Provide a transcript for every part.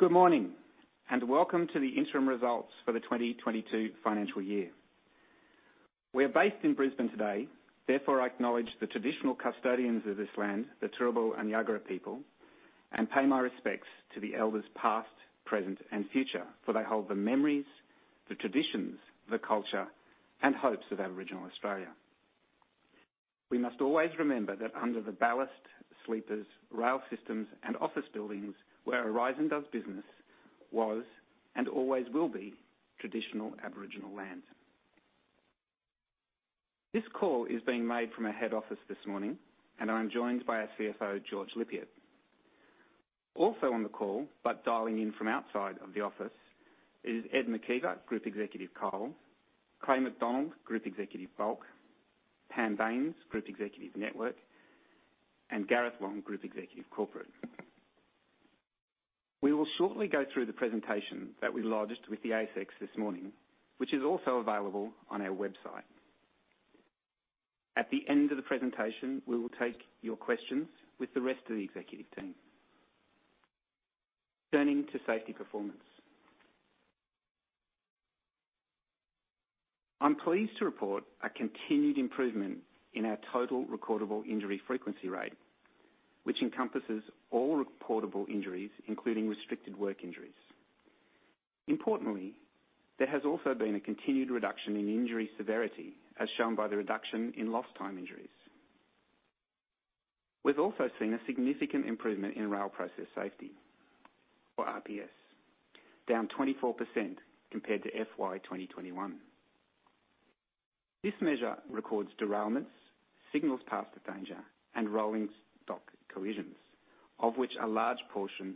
Good morning, and welcome to the interim results for the 2022 financial year. We are based in Brisbane today. Therefore, I acknowledge the traditional custodians of this land, the Turrbal and Jagera people, and pay my respects to the elders past, present, and future, for they hold the memories, the traditions, the culture, and hopes of Aboriginal Australia. We must always remember that under the ballast, sleepers, rail systems, and office buildings where Aurizon does business was and always will be traditional Aboriginal lands. This call is being made from our head office this morning, and I'm joined by our CFO, George Lippiatt. Also on the call, but dialing in from outside of the office is Ed McKeiver, Group Executive Coal, Clay McDonald, Group Executive Bulk, Pam Bains, Group Executive Network, and Gareth Long, Group Executive Corporate. We will shortly go through the presentation that we lodged with the ASX this morning, which is also available on our website. At the end of the presentation, we will take your questions with the rest of the executive team. Turning to safety performance. I'm pleased to report a continued improvement in our total recordable injury frequency rate, which encompasses all reportable injuries, including restricted work injuries. Importantly, there has also been a continued reduction in injury severity as shown by the reduction in lost time injuries. We've also seen a significant improvement in Rail Process Safety, or RPS, down 24% compared to FY 2021. This measure records derailments, signals past the danger, and rolling stock collisions, of which a large portion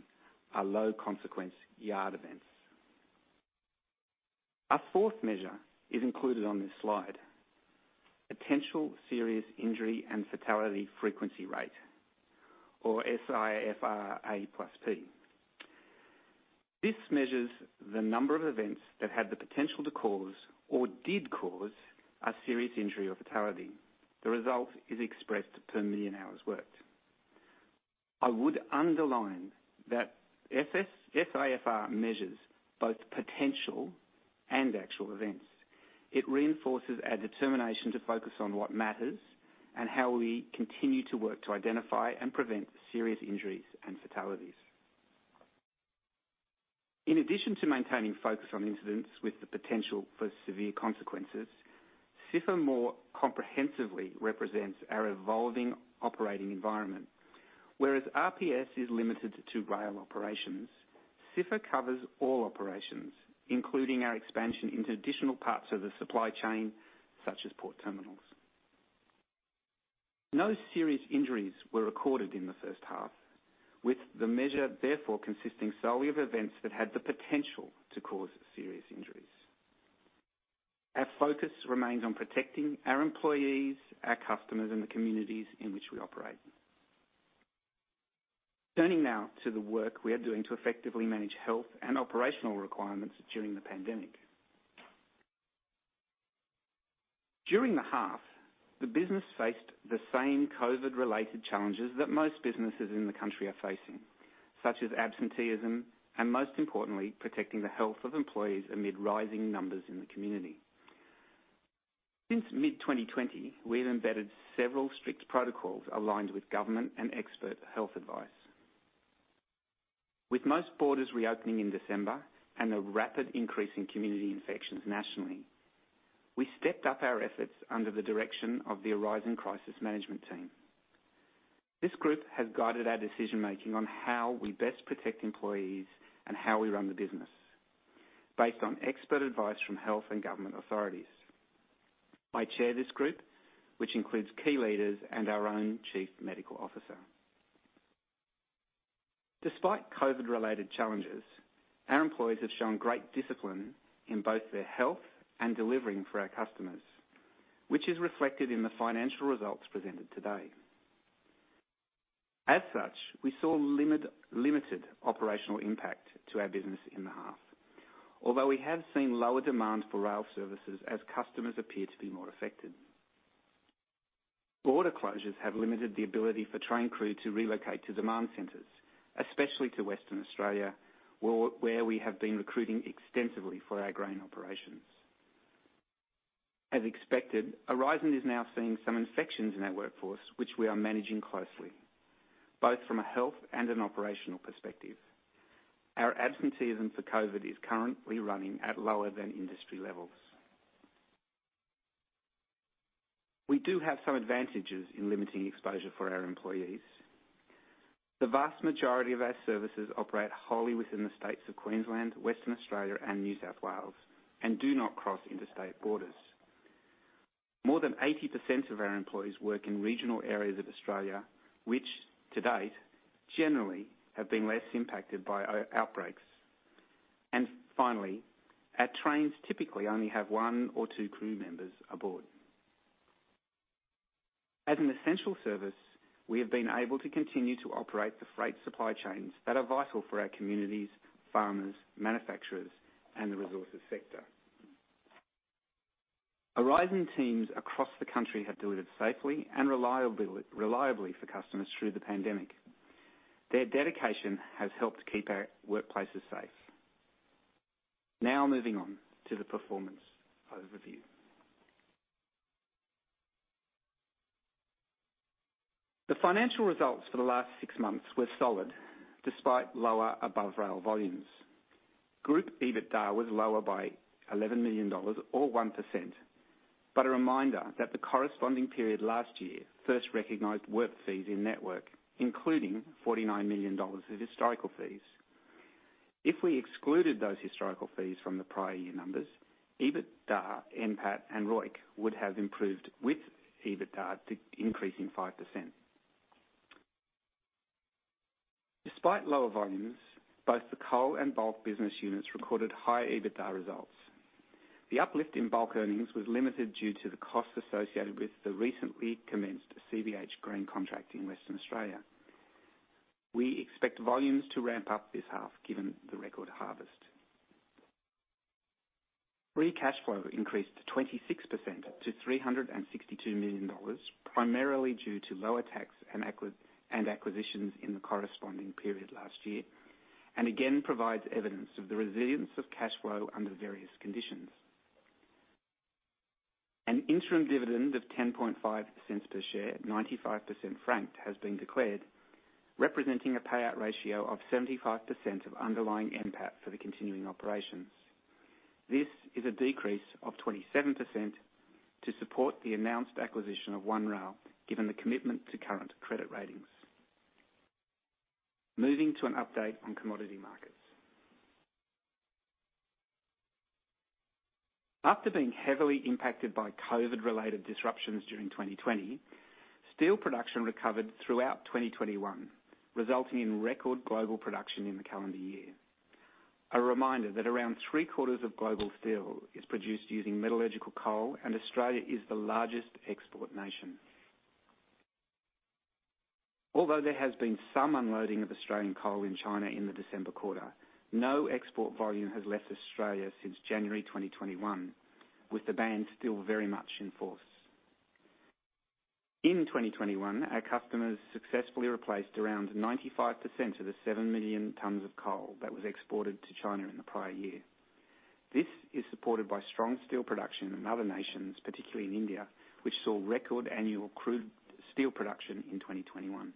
are low consequence yard events. Our fourth measure is included on this slide, Potential Serious Injury and Fatality Frequency Rate, or SIFR A+P. This measures the number of events that had the potential to cause or did cause a serious injury or fatality. The result is expressed per million hours worked. I would underline that SIFR measures both potential and actual events. It reinforces our determination to focus on what matters and how we continue to work to identify and prevent serious injuries and fatalities. In addition to maintaining focus on incidents with the potential for severe consequences, SIFR more comprehensively represents our evolving operating environment. Whereas RPS is limited to two rail operations, SIFR covers all operations, including our expansion into additional parts of the supply chain, such as port terminals. No serious injuries were recorded in the first half, with the measure therefore consisting solely of events that had the potential to cause serious injuries. Our focus remains on protecting our employees, our customers, and the communities in which we operate. Turning now to the work we are doing to effectively manage health and operational requirements during the pandemic. During the half, the business faced the same COVID-related challenges that most businesses in the country are facing, such as absenteeism and, most importantly, protecting the health of employees amid rising numbers in the community. Since mid-2020, we have embedded several strict protocols aligned with government and expert health advice. With most borders reopening in December and a rapid increase in community infections nationally, we stepped up our efforts under the direction of the Aurizon Crisis Management Team. This group has guided our decision-making on how we best protect employees and how we run the business based on expert advice from health and government authorities. I chair this group, which includes key leaders and our own chief medical officer. Despite COVID-related challenges, our employees have shown great discipline in both their health and delivering for our customers, which is reflected in the financial results presented today. As such, we saw limited operational impact to our business in the half. Although we have seen lower demand for rail services as customers appear to be more affected. Border closures have limited the ability for train crew to relocate to demand centers, especially to Western Australia, where we have been recruiting extensively for our grain operations. As expected, Aurizon is now seeing some infections in our workforce, which we are managing closely, both from a health and an operational perspective. Our absenteeism for COVID is currently running at lower than industry levels. We do have some advantages in limiting exposure for our employees. The vast majority of our services operate wholly within the states of Queensland, Western Australia, and New South Wales and do not cross into state borders. More than 80% of our employees work in regional areas of Australia, which to date, generally have been less impacted by outbreaks. Finally, our trains typically only have one or two crew members aboard. As an essential service, we have been able to continue to operate the freight supply chains that are vital for our communities, farmers, manufacturers, and the resources sector. Aurizon teams across the country have delivered safely and reliably for customers through the pandemic. Their dedication has helped keep our workplaces safe. Now moving on to the performance overview. The financial results for the last six months were solid despite lower above rail volumes. Group EBITDA was lower by 11 million dollars or 1%, but a reminder that the corresponding period last year first recognized work fees in Network, including 49 million dollars of historical fees. If we excluded those historical fees from the prior year numbers, EBITDA, NPAT, and ROIC would have improved with EBITDA increasing 5%. Despite lower volumes, both the coal and bulk business units recorded high EBITDA results. The uplift in bulk earnings was limited due to the costs associated with the recently commenced CBH grain contract in Western Australia. We expect volumes to ramp up this half, given the record harvest. Free cash flow increased 26% to 362 million dollars, primarily due to lower tax and acquisitions in the corresponding period last year, and again provides evidence of the resilience of cash flow under various conditions. An interim dividend of 0.105 per share, 95% franked, has been declared, representing a payout ratio of 75% of underlying NPAT for the continuing operations. This is a decrease of 27% to support the announced acquisition of OneRail, given the commitment to current credit ratings. Moving to an update on commodity markets. After being heavily impacted by COVID-related disruptions during 2020, steel production recovered throughout 2021, resulting in record global production in the calendar year. A reminder that around three quarters of global steel is produced using metallurgical coal, and Australia is the largest export nation. Although there has been some unloading of Australian coal in China in the December quarter, no export volume has left Australia since January 2021, with the ban still very much in force. In 2021, our customers successfully replaced around 95% of the 7 million tons of coal that was exported to China in the prior year. This is supported by strong steel production in other nations, particularly in India, which saw record annual crude steel production in 2021.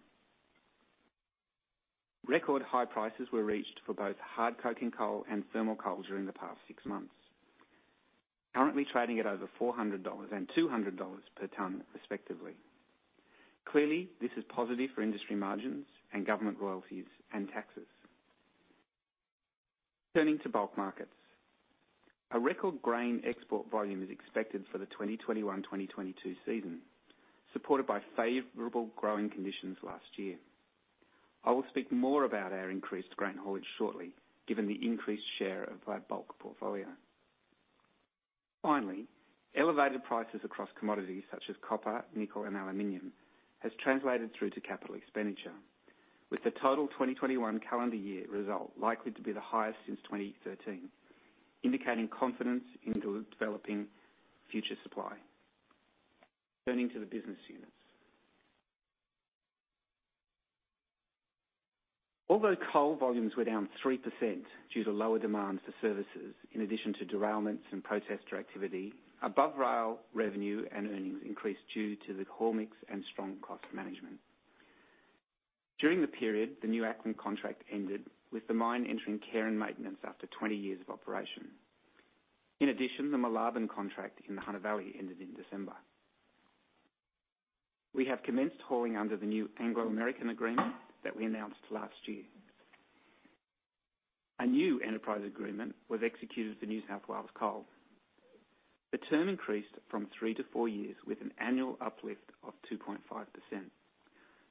Record high prices were reached for both hard coking coal and thermal coal during the past six months, currently trading at over $400 and $200 per ton respectively. Clearly, this is positive for industry margins and government royalties and taxes. Turning to bulk markets. A record grain export volume is expected for the 2021, 2022 season, supported by favorable growing conditions last year. I will speak more about our increased grain haulage shortly, given the increased share of our bulk portfolio. Finally, elevated prices across commodities such as copper, nickel, and aluminum has translated through to capital expenditure, with the total 2021 calendar year result likely to be the highest since 2013, indicating confidence in developing future supply. Turning to the business units. Although coal volumes were down 3% due to lower demands for services, in addition to derailments and protester activity, above rail revenue and earnings increased due to the core mix and strong cost management. During the period, the New Acland contract ended, with the mine entering care and maintenance after 20 years of operation. In addition, the Moolarben contract in the Hunter Valley ended in December. We have commenced hauling under the new Anglo American agreement that we announced last year. A new enterprise agreement was executed for New South Wales Coal. The term increased from three-four years with an annual uplift of 2.5%.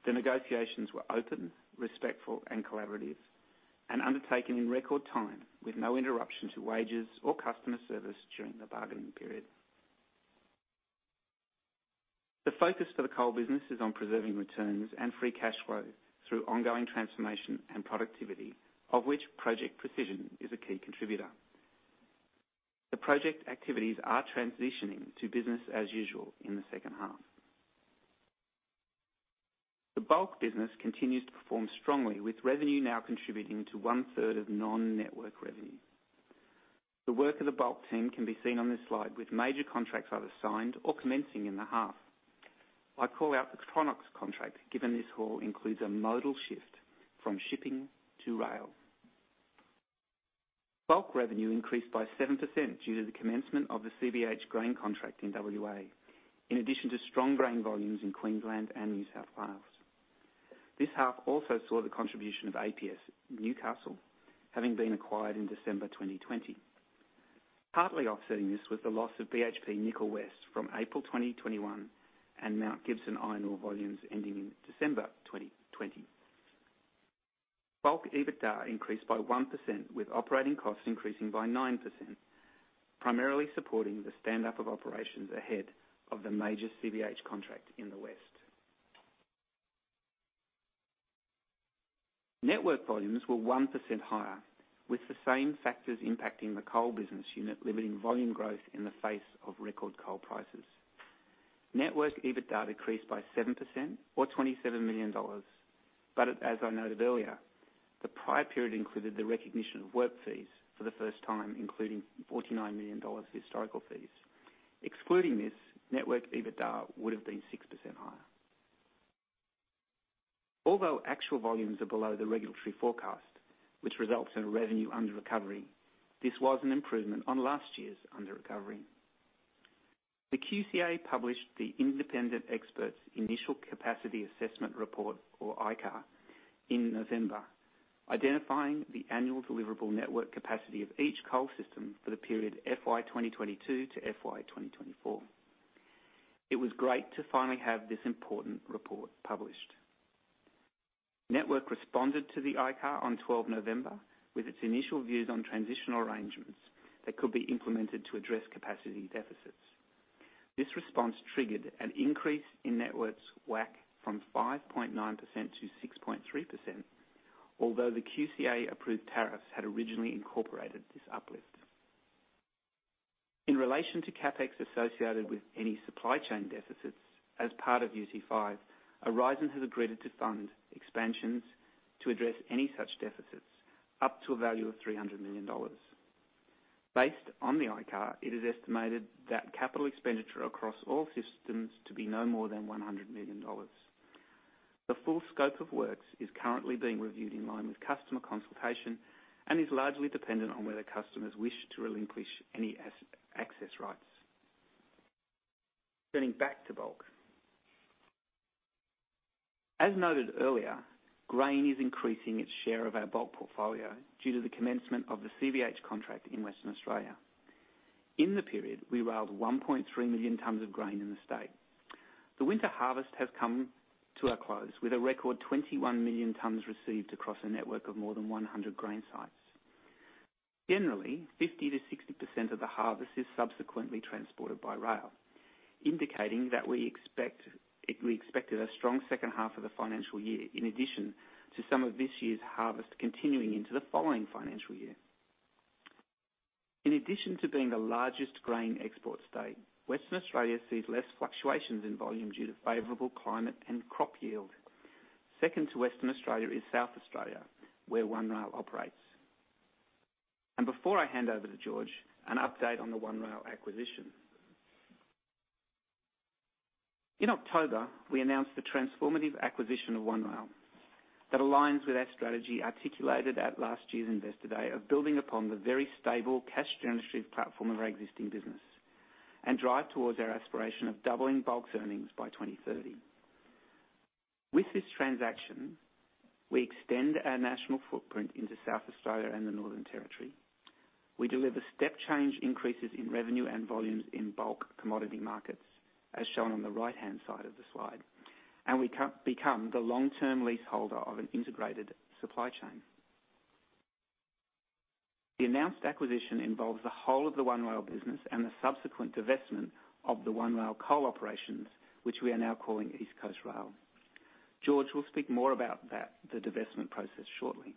The negotiations were open, respectful, and collaborative and undertaken in record time with no interruption to wages or customer service during the bargaining period. The focus for the coal business is on preserving returns and free cash flow through ongoing transformation and productivity, of which Project Precision is a key contributor. The project activities are transitioning to business as usual in the second half. The bulk business continues to perform strongly, with revenue now contributing to 1/3 of non-network revenue. The work of the bulk team can be seen on this slide with major contracts either signed or commencing in the half. I call out the Tronox contract, given this haul includes a modal shift from shipping to rail. Bulk revenue increased by 7% due to the commencement of the CBH grain contract in WA, in addition to strong grain volumes in Queensland and New South Wales. This half also saw the contribution of APS Newcastle, having been acquired in December 2020. Partly offsetting this was the loss of BHP Nickel West from April 2021 and Mount Gibson iron ore volumes ending in December 2020. Bulk EBITDA increased by 1%, with operating costs increasing by 9%, primarily supporting the stand-up of operations ahead of the major CBH contract in the West. Network volumes were 1% higher with the same factors impacting the coal business unit limiting volume growth in the face of record coal prices. Network EBITDA decreased by 7% or 27 million dollars. As I noted earlier, the prior period included the recognition of work fees for the first time, including 49 million dollars of historical fees. Excluding this, Network EBITDA would have been 6% higher. Although actual volumes are below the regulatory forecast, which results in revenue under recovery, this was an improvement on last year's under-recovery. The QCA published the independent expert's initial capacity assessment report, or ICAR, in November, identifying the annual deliverable network capacity of each coal system for the period FY 2022-FY 2024. It was great to finally have this important report published. Network responded to the ICAR on November 12 with its initial views on transitional arrangements that could be implemented to address capacity deficits. This response triggered an increase in Network's WACC from 5.9%-6.3%. Although the QCA-approved tariffs had originally incorporated this uplift. In relation to CapEx associated with any supply chain deficits as part of UT5, Aurizon has agreed to fund expansions to address any such deficits up to a value of 300 million dollars. Based on the ICAR, it is estimated that capital expenditure across all systems to be no more than 100 million dollars. The full scope of works is currently being reviewed in line with customer consultation and is largely dependent on whether customers wish to relinquish any access rights. Turning back to Bulk. As noted earlier, grain is increasing its share of our Bulk portfolio due to the commencement of the CBH contract in Western Australia. In the period, we railed 1.3 million tons of grain in the state. The winter harvest has come to a close with a record 21 million tons received across a network of more than 100 grain sites. Generally, 50%-60% of the harvest is subsequently transported by rail, indicating that we expected a strong second half of the financial year in addition to some of this year's harvest continuing into the following financial year. In addition to being the largest grain export state, Western Australia sees less fluctuations in volume due to favorable climate and crop yield. Second to Western Australia is South Australia, where OneRail operates. Before I hand over to George Lippiatt, an update on the OneRail acquisition. In October, we announced the transformative acquisition of OneRail that aligns with our strategy articulated at last year's Investor Day of building upon the very stable cash-generative platform of our existing business and drive towards our aspiration of doubling Bulks earnings by 2030. With this transaction, we extend our national footprint into South Australia and the Northern Territory. We deliver step change increases in revenue and volumes in bulk commodity markets, as shown on the right-hand side of the slide. We become the long-term leaseholder of an integrated supply chain. The announced acquisition involves the whole of the OneRail business and the subsequent divestment of the OneRail coal operations, which we are now calling East Coast Rail. George will speak more about that, the divestment process shortly.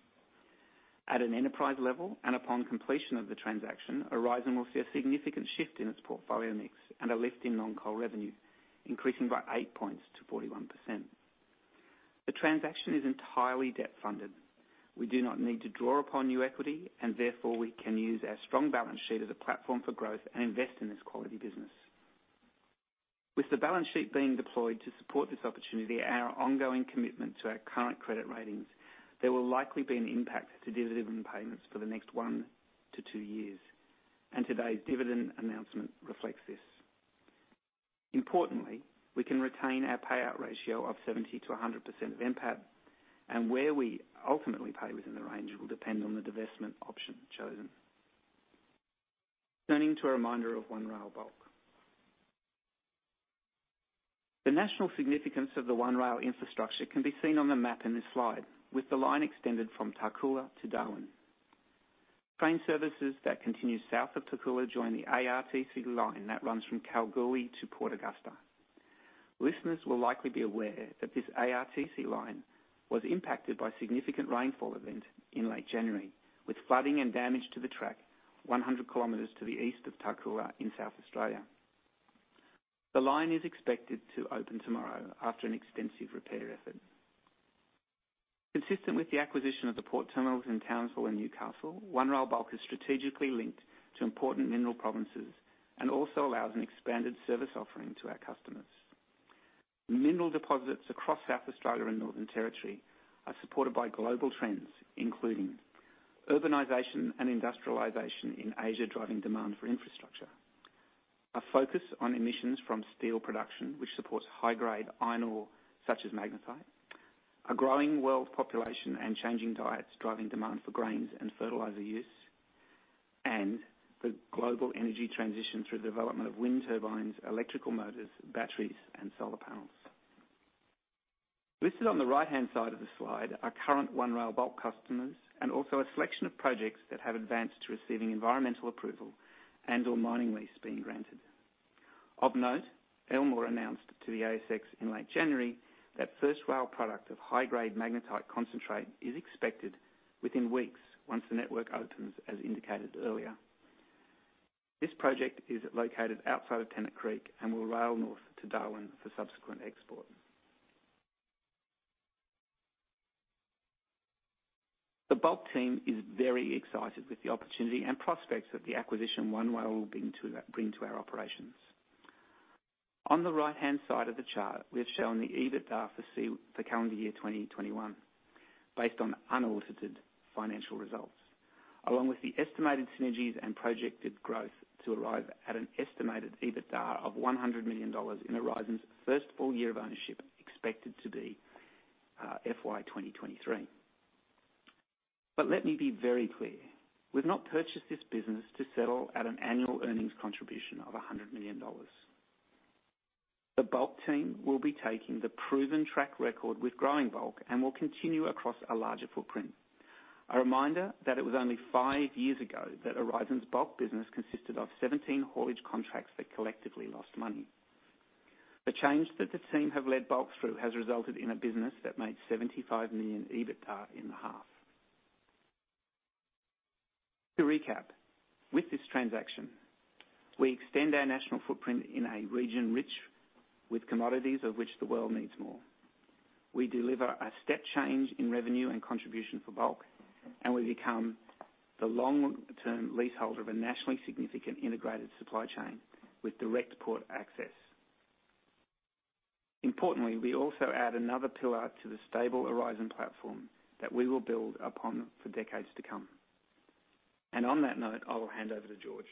At an enterprise level, upon completion of the transaction, Aurizon will see a significant shift in its portfolio mix and a lift in non-coal revenues, increasing by eight points to 41%. The transaction is entirely debt-funded. We do not need to draw upon new equity and therefore we can use our strong balance sheet as a platform for growth and invest in this quality business. With the balance sheet being deployed to support this opportunity and our ongoing commitment to our current credit ratings, there will likely be an impact to dividend payments for the next one-two years, and today's dividend announcement reflects this. Importantly, we can retain our payout ratio of 70%-100% of NPAT, and where we ultimately pay within the range will depend on the divestment option chosen. Turning to a reminder of OneRail bulk. The national significance of the OneRail infrastructure can be seen on the map in this slide with the line extended from Tarcoola to Darwin. Train services that continue south of Tarcoola join the ARTC line that runs from Kalgoorlie to Port Augusta. Listeners will likely be aware that this ARTC line was impacted by significant rainfall event in late January with flooding and damage to the track 100 kilometers to the east of Tarcoola in South Australia. The line is expected to open tomorrow after an extensive repair effort. Consistent with the acquisition of the port terminals in Townsville and Newcastle, OneRail Bulk is strategically linked to important mineral provinces and also allows an expanded service offering to our customers. Mineral deposits across South Australia and Northern Territory are supported by global trends, including urbanization and industrialization in Asia, driving demand for infrastructure. A focus on emissions from steel production, which supports high-grade iron ore such as magnetite. A growing world population and changing diets, driving demand for grains and fertilizer use, and the global energy transition through the development of wind turbines, electrical motors, batteries, and solar panels. Listed on the right-hand side of this slide are current OneRail Bulk customers and also a selection of projects that have advanced to receiving environmental approval and/or mining lease being granted. Of note, Elmore announced to the ASX in late January that first rail product of high-grade magnetite concentrate is expected within weeks once the network opens, as indicated earlier. This project is located outside of Tennant Creek and will rail north to Darwin for subsequent export. The bulk team is very excited with the opportunity and prospects that the acquisition of OneRail will bring to our operations. On the right-hand side of the chart, we have shown the EBITDA for calendar year 2021 based on unaltered financial results, along with the estimated synergies and projected growth to arrive at an estimated EBITDA of 100 million dollars in Aurizon's first full year of ownership, expected to be FY 2023. Let me be very clear. We've not purchased this business to settle at an annual earnings contribution of 100 million dollars. The bulk team will be taking the proven track record with growing bulk and will continue across a larger footprint. A reminder that it was only five years ago that Aurizon's bulk business consisted of 17 haulage contracts that collectively lost money. The change that the team have led bulk through has resulted in a business that made 75 million EBITDA in the half. To recap, with this transaction, we extend our national footprint in a region rich with commodities of which the world needs more. We deliver a step change in revenue and contribution for bulk, and we become the long-term leaseholder of a nationally significant integrated supply chain with direct port access. Importantly, we also add another pillar to the stable Aurizon platform that we will build upon for decades to come. On that note, I will hand over to George.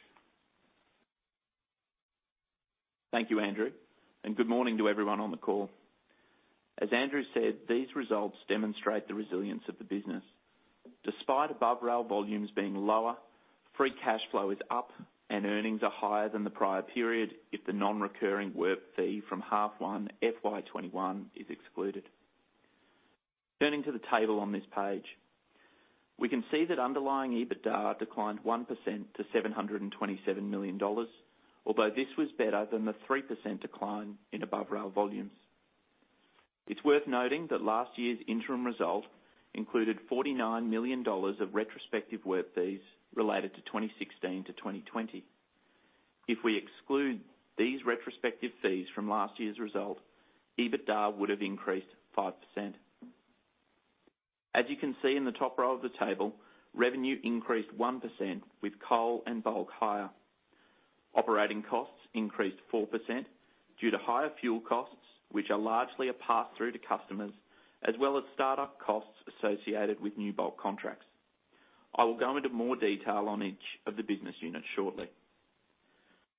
Thank you, Andrew, and good morning to everyone on the call. As Andrew said, these results demonstrate the resilience of the business. Despite above rail volumes being lower, free cash flow is up and earnings are higher than the prior period if the non-recurring work fee from half one, FY 2021 is excluded. Turning to the table on this page, we can see that underlying EBITDA declined 1% to 727 million dollars, although this was better than the 3% decline in above rail volumes. It's worth noting that last year's interim result included 49 million dollars of retrospective work fees related to 2016-2020. If we exclude these retrospective fees from last year's result, EBITDA would have increased 5%. As you can see in the top row of the table, revenue increased 1% with coal and bulk higher. Operating costs increased 4% due to higher fuel costs, which are largely a pass-through to customers, as well as start-up costs associated with new bulk contracts. I will go into more detail on each of the business units shortly.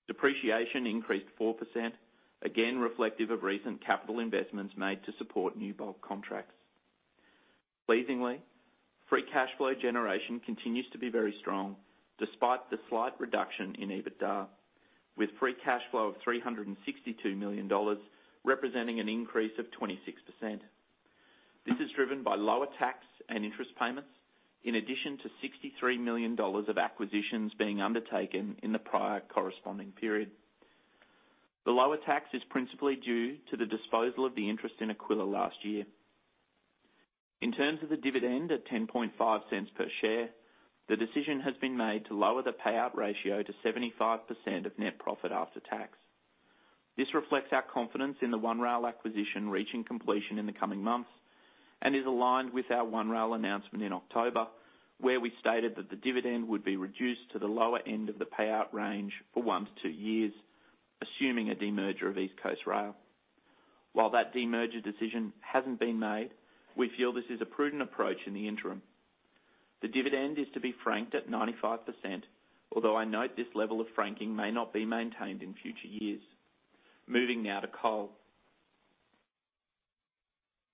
Depreciation increased 4%, again, reflective of recent capital investments made to support new bulk contracts. Pleasingly, free cash flow generation continues to be very strong despite the slight reduction in EBITDA, with free cash flow of 362 million dollars, representing an increase of 26%. This is driven by lower tax and interest payments, in addition to 63 million dollars of acquisitions being undertaken in the prior corresponding period. The lower tax is principally due to the disposal of the interest in Aquila last year. In terms of the dividend at 0.105 per share, the decision has been made to lower the payout ratio to 75% of net profit after tax. This reflects our confidence in the OneRail acquisition reaching completion in the coming months and is aligned with our OneRail announcement in October, where we stated that the dividend would be reduced to the lower end of the payout range for one-two years, assuming a demerger of East Coast Rail. While that demerger decision hasn't been made, we feel this is a prudent approach in the interim. The dividend is to be franked at 95%, although I note this level of franking may not be maintained in future years. Moving now to coal.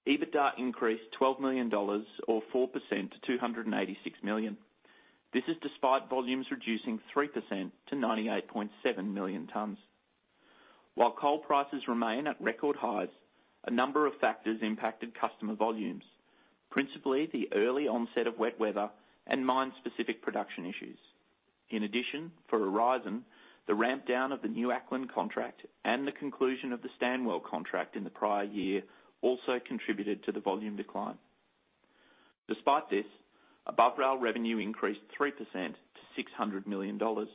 EBITDA increased 12 million dollars or 4% to 286 million. This is despite volumes reducing 3% to 98.7 million tons. While coal prices remain at record highs, a number of factors impacted customer volumes, principally the early onset of wet weather and mine-specific production issues. In addition, for Aurizon, the ramp down of the New Acland contract and the conclusion of the Stanwell contract in the prior year also contributed to the volume decline. Despite this, above rail revenue increased 3% to 600 million dollars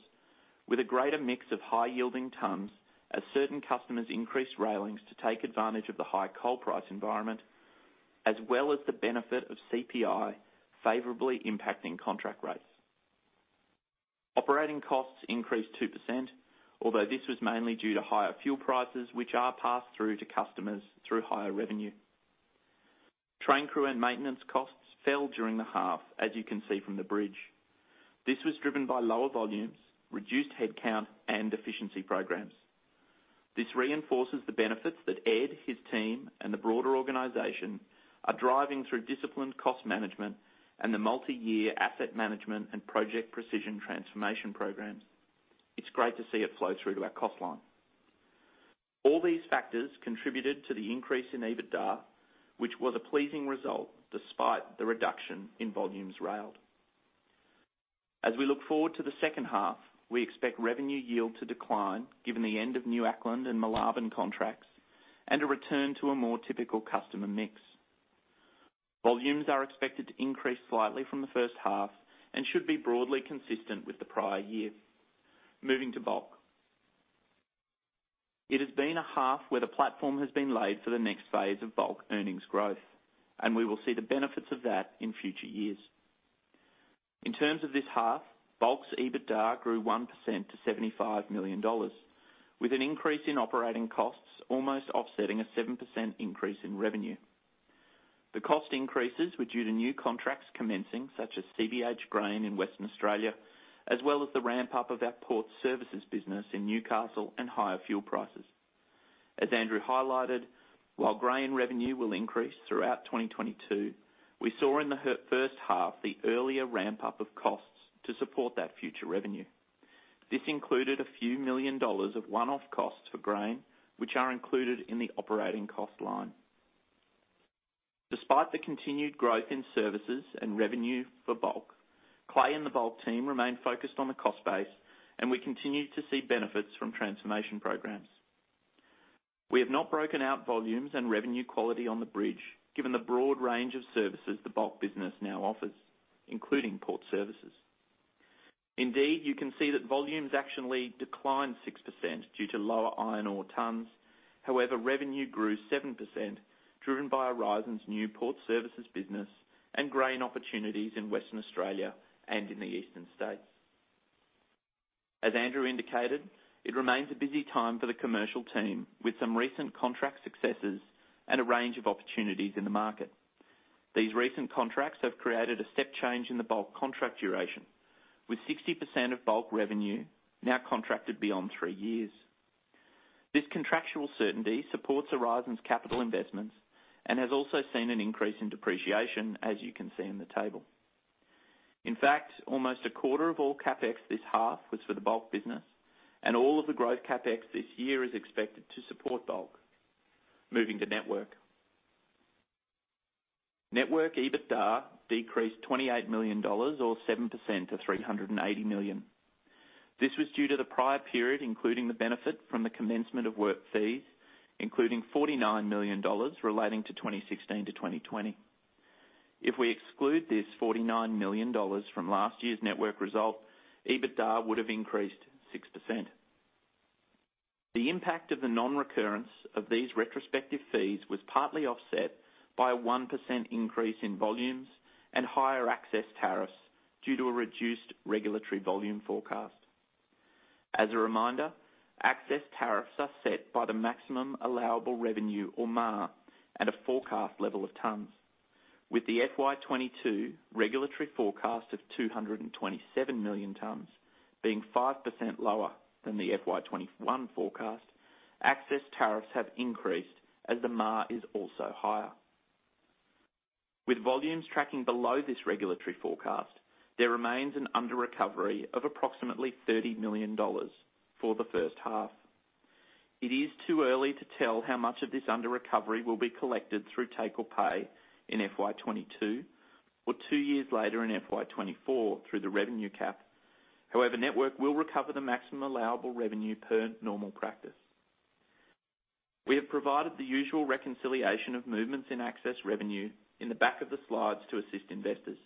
with a greater mix of high-yielding tons as certain customers increased railings to take advantage of the high coal price environment as well as the benefit of CPI favorably impacting contract rates. Operating costs increased 2%, although this was mainly due to higher fuel prices, which are passed through to customers through higher revenue. Train crew and maintenance costs fell during the half, as you can see from the bridge. This was driven by lower volumes, reduced headcount, and efficiency programs. This reinforces the benefits that Ed, his team, and the broader organization are driving through disciplined cost management and the multi-year asset management and Project Precision transformation programs. It's great to see it flow through to our cost line. All these factors contributed to the increase in EBITDA, which was a pleasing result despite the reduction in volumes railed. As we look forward to the second half, we expect revenue yield to decline given the end of New Acland and Moolarben contracts and a return to a more typical customer mix. Volumes are expected to increase slightly from the first half and should be broadly consistent with the prior year. Moving to Bulk. It has been a half where the platform has been laid for the next phase of Bulk earnings growth, and we will see the benefits of that in future years. In terms of this half, Bulk's EBITDA grew 1% to 75 million dollars, with an increase in operating costs almost offsetting a 7% increase in revenue. The cost increases were due to new contracts commencing, such as CBH Group in Western Australia, as well as the ramp-up of our port services business in Newcastle and higher fuel prices. As Andrew highlighted, while grain revenue will increase throughout 2022, we saw in the first half the earlier ramp-up of costs to support that future revenue. This included a few million dollars of one-off costs for grain, which are included in the operating cost line. Despite the continued growth in services and revenue for Bulk, Clay and the Bulk team remain focused on the cost base, and we continue to see benefits from transformation programs. We have not broken out volumes and revenue quality on the bridge, given the broad range of services the Bulk business now offers, including port services. Indeed, you can see that volumes actually declined 6% due to lower iron ore tons. However, revenue grew 7% driven by Aurizon's new port services business and grain opportunities in Western Australia and in the eastern states. As Andrew indicated, it remains a busy time for the commercial team with some recent contract successes and a range of opportunities in the market. These recent contracts have created a step change in the Bulk contract duration, with 60% of Bulk revenue now contracted beyond three years. This contractual certainty supports Aurizon's capital investments and has also seen an increase in depreciation, as you can see in the table. In fact, almost a quarter of all CapEx this half was for the Bulk business, and all of the growth CapEx this year is expected to support Bulk. Moving to Network. Network EBITDA decreased 28 million dollars or 7% to 380 million. This was due to the prior period, including the benefit from the commencement of work fees, including 49 million dollars relating to 2016-2020. If we exclude this 49 million dollars from last year's Network result, EBITDA would have increased 6%. The impact of the non-recurrence of these retrospective fees was partly offset by a 1% increase in volumes and higher access tariffs due to a reduced regulatory volume forecast. As a reminder, access tariffs are set by the maximum allowable revenue or MAR and a forecast level of tons. With the FY 2022 regulatory forecast of 227 million tons being 5% lower than the FY 2021 forecast, access tariffs have increased as the MAR is also higher. With volumes tracking below this regulatory forecast, there remains an underrecovery of approximately 30 million dollars for the first half. It is too early to tell how much of this underrecovery will be collected through take or pay in FY 2022 or two years later in FY 2024 through the revenue cap. However, Network will recover the maximum allowable revenue per normal practice. We have provided the usual reconciliation of movements in access revenue in the back of the slides to assist investors.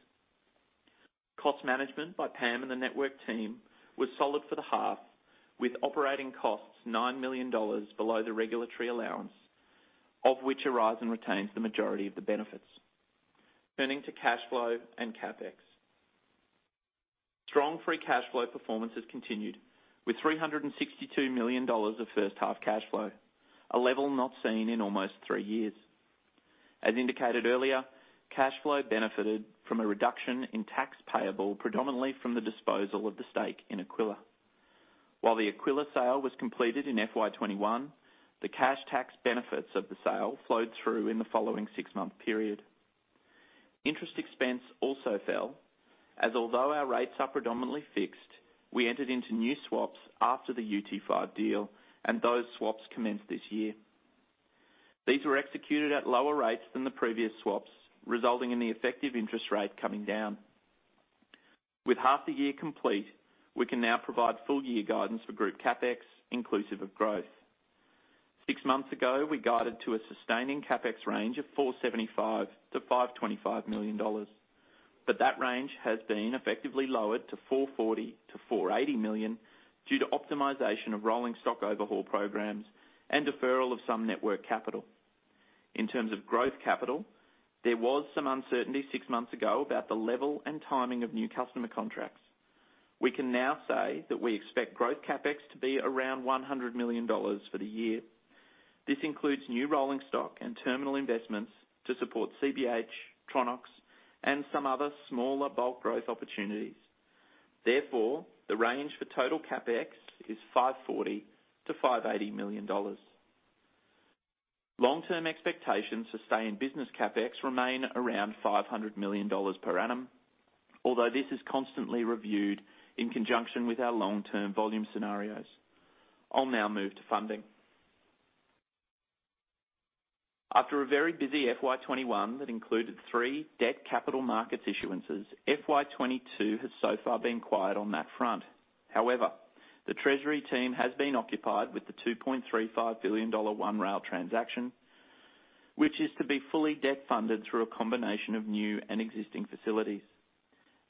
Cost management by Pam and the Network team was solid for the half, with operating costs 9 million dollars below the regulatory allowance, of which Aurizon retains the majority of the benefits. Turning to cash flow and CapEx. Strong free cash flow performance has continued with 362 million dollars of first-half cash flow, a level not seen in almost three years. As indicated earlier, cash flow benefited from a reduction in tax payable, predominantly from the disposal of the stake in Aquila. While the Aquila sale was completed in FY 2021, the cash tax benefits of the sale flowed through in the following six-month period. Interest expense also fell as although our rates are predominantly fixed, we entered into new swaps after the UT5 deal and those swaps commenced this year. These were executed at lower rates than the previous swaps, resulting in the effective interest rate coming down. With half the year complete, we can now provide full year guidance for group CapEx inclusive of growth. Six months ago, we guided to a sustaining CapEx range of 475 million-525 million dollars. That range has been effectively lowered to 440 million-480 million due to optimization of rolling stock overhaul programs and deferral of some network capital. In terms of growth capital, there was some uncertainty six months ago about the level and timing of new customer contracts. We can now say that we expect growth CapEx to be around 100 million dollars for the year. This includes new rolling stock and terminal investments to support CBH, Tronox and some other smaller bulk growth opportunities. Therefore, the range for total CapEx is 540 million-580 million dollars. Long-term expectations to stay in business CapEx remain around 500 million dollars per annum, although this is constantly reviewed in conjunction with our long-term volume scenarios. I'll now move to funding. After a very busy FY 2021 that included three debt capital markets issuances, FY 2022 has so far been quiet on that front. However, the treasury team has been occupied with the 2.35 billion dollar OneRail transaction, which is to be fully debt funded through a combination of new and existing facilities.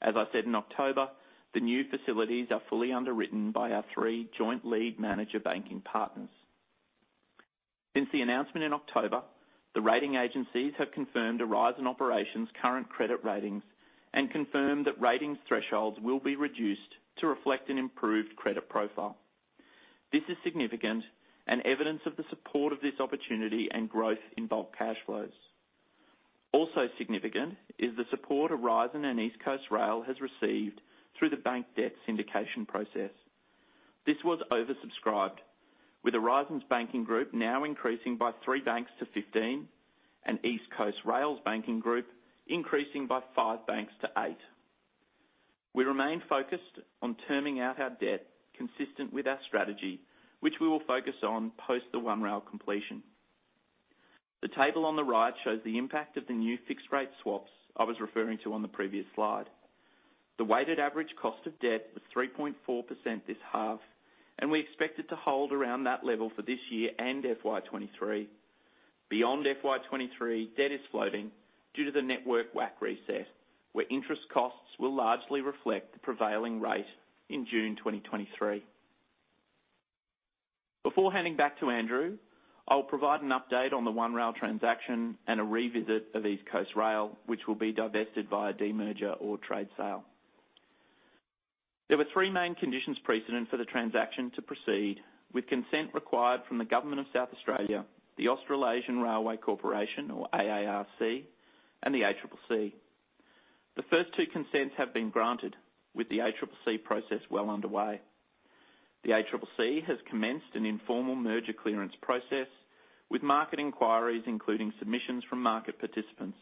As I said in October, the new facilities are fully underwritten by our three joint lead manager banking partners. Since the announcement in October, the rating agencies have confirmed Aurizon Operations' current credit ratings and confirmed that ratings thresholds will be reduced to reflect an improved credit profile. This is significant and evidence of the support of this opportunity and growth in bulk cash flows. Also significant is the support Aurizon and East Coast Rail has received through the bank debt syndication process. This was oversubscribed with Aurizon's banking group now increasing by three banks to 15, and East Coast Rail's banking group increasing by five banks to eight. We remain focused on terming out our debt consistent with our strategy, which we will focus on post the OneRail completion. The table on the right shows the impact of the new fixed rate swaps I was referring to on the previous slide. The weighted average cost of debt was 3.4% this half, and we expect it to hold around that level for this year and FY 2023. Beyond FY 2023, debt is floating due to the network WACC reset, where interest costs will largely reflect the prevailing rate in June 2023. Before handing back to Andrew, I'll provide an update on the OneRail transaction and a revisit of East Coast Rail, which will be divested via demerger or trade sale. There were three main conditions precedent for the transaction to proceed, with consent required from the government of South Australia, the AustralAsia Railway Corporation or AARC, and the ACCC. The first two consents have been granted with the ACCC process well underway. The ACCC has commenced an informal merger clearance process with market inquiries, including submissions from market participants.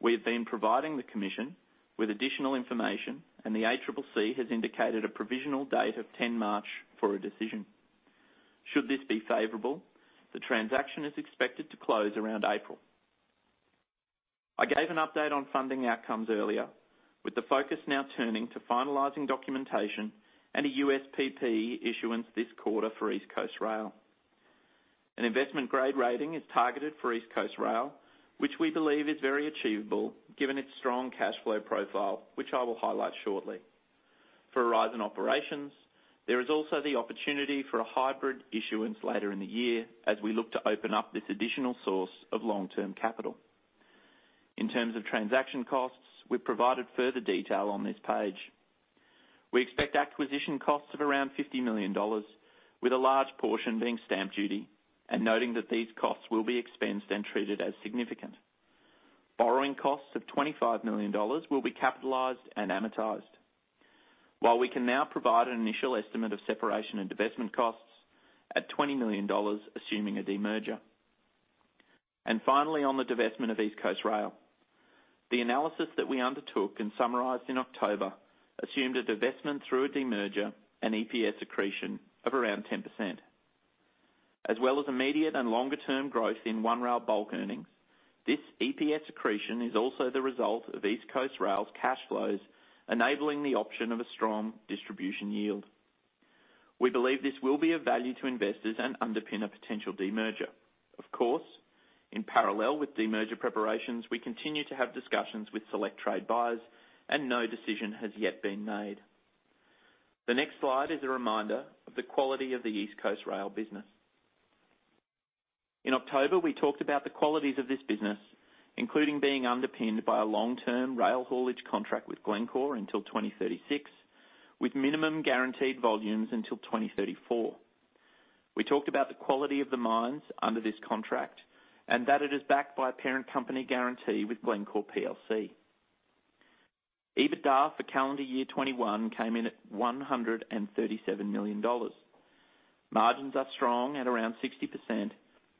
We have been providing the commission with additional information, and the ACCC has indicated a provisional date of March 10 for a decision. Should this be favorable, the transaction is expected to close around April. I gave an update on funding outcomes earlier, with the focus now turning to finalizing documentation and a USPP issuance this quarter for East Coast Rail. An investment grade rating is targeted for East Coast Rail, which we believe is very achievable given its strong cash flow profile, which I will highlight shortly. For Aurizon Operations, there is also the opportunity for a hybrid issuance later in the year as we look to open up this additional source of long-term capital. In terms of transaction costs, we've provided further detail on this page. We expect acquisition costs of around 50 million dollars, with a large portion being stamp duty and noting that these costs will be expensed and treated as significant. Borrowing costs of 25 million dollars will be capitalized and amortized. While we can now provide an initial estimate of separation and divestment costs at 20 million dollars, assuming a demerger. Finally, on the divestment of East Coast Rail, the analysis that we undertook and summarized in October assumed a divestment through a demerger and EPS accretion of around 10%. As well as immediate and longer-term growth in OneRail bulk earnings, this EPS accretion is also the result of East Coast Rail's cash flows, enabling the option of a strong distribution yield. We believe this will be of value to investors and underpin a potential demerger. Of course, in parallel with demerger preparations, we continue to have discussions with select trade buyers and no decision has yet been made. The next slide is a reminder of the quality of the East Coast Rail business. In October, we talked about the qualities of this business, including being underpinned by a long-term rail haulage contract with Glencore until 2036, with minimum guaranteed volumes until 2034. We talked about the quality of the mines under this contract and that it is backed by a parent company guarantee with Glencore plc. EBITDA for calendar year 2021 came in at 137 million dollars. Margins are strong at around 60%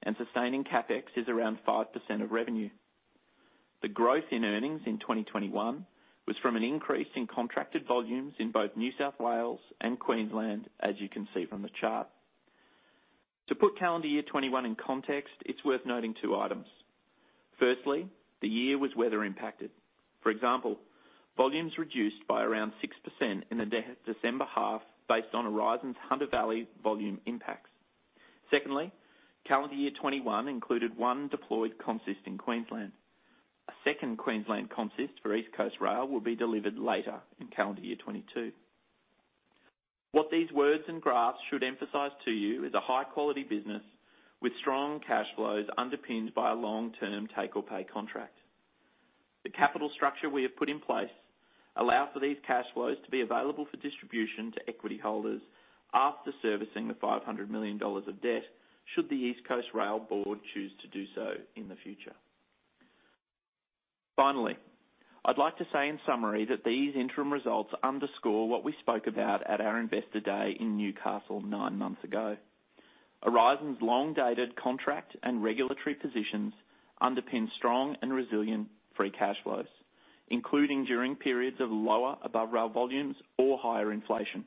and sustaining CapEx is around 5% of revenue. The growth in earnings in 2021 was from an increase in contracted volumes in both New South Wales and Queensland, as you can see from the chart. To put calendar year 2021 in context, it's worth noting two items. Firstly, the year was weather impacted. For example, volumes reduced by around 6% in the December half based on Aurizon's Hunter Valley volume impacts. Secondly, calendar year 2021 included one deployed consist in Queensland. A second Queensland consist for East Coast Rail will be delivered later in calendar year 2022. What these words and graphs should emphasize to you is a high-quality business with strong cash flows underpinned by a long-term take or pay contract. The capital structure we have put in place allow for these cash flows to be available for distribution to equity holders after servicing the 500 million dollars of debt should the East Coast Rail Board choose to do so in the future. Finally, I'd like to say in summary that these interim results underscore what we spoke about at our investor day in Newcastle nine months ago. Aurizon's long dated contract and regulatory positions underpin strong and resilient free cash flows, including during periods of lower above rail volumes or higher inflation.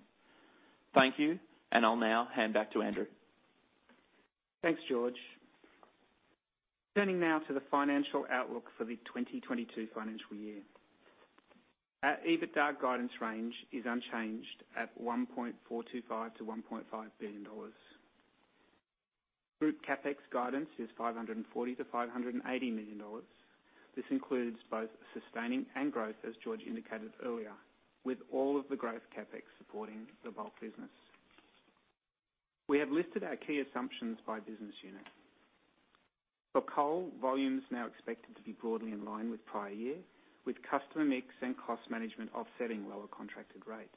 Thank you. I'll now hand back to Andrew. Thanks, George. Turning now to the financial outlook for the 2022 financial year. Our EBITDA guidance range is unchanged at 1.425 billion-1.5 billion dollars. Group CapEx guidance is 540 million-580 million dollars. This includes both sustaining and growth, as George indicated earlier, with all of the growth CapEx supporting the Bulk business. We have listed our key assumptions by business unit. For Coal, volume is now expected to be broadly in line with prior year, with customer mix and cost management offsetting lower contracted rates.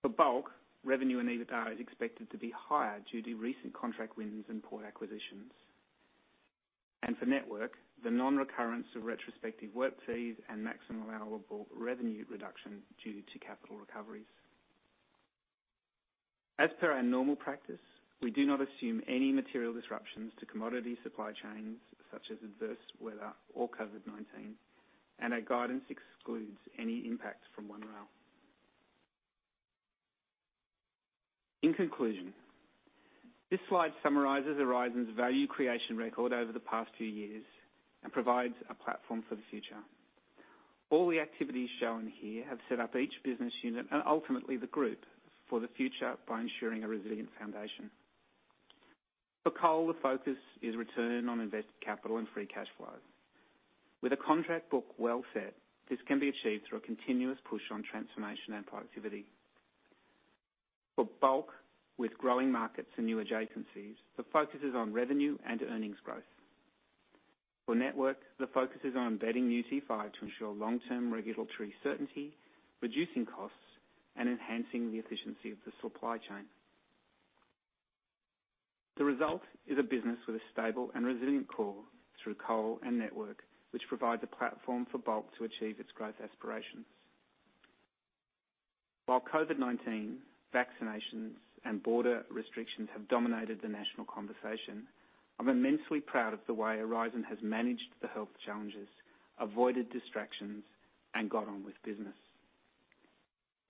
For Bulk, revenue and EBITDA is expected to be higher due to recent contract wins and port acquisitions. For Network, the non-recurrence of retrospective work fees and maximum allowable revenue reduction due to capital recoveries. As per our normal practice, we do not assume any material disruptions to commodity supply chains such as adverse weather or COVID-19, and our guidance excludes any impact from OneRail. In conclusion, this slide summarizes Aurizon's value creation record over the past two years and provides a platform for the future. All the activities shown here have set up each business unit and ultimately the group for the future by ensuring a resilient foundation. For coal, the focus is return on invested capital and free cash flow. With a contract book well set, this can be achieved through a continuous push on transformation and productivity. For bulk, with growing markets and new adjacencies, the focus is on revenue and earnings growth. For network, the focus is on embedding new UT5 to ensure long-term regulatory certainty, reducing costs, and enhancing the efficiency of the supply chain. The result is a business with a stable and resilient core through coal and network, which provides a platform for bulk to achieve its growth aspirations. While COVID-19, vaccinations, and border restrictions have dominated the national conversation, I'm immensely proud of the way Aurizon has managed the health challenges, avoided distractions, and got on with business.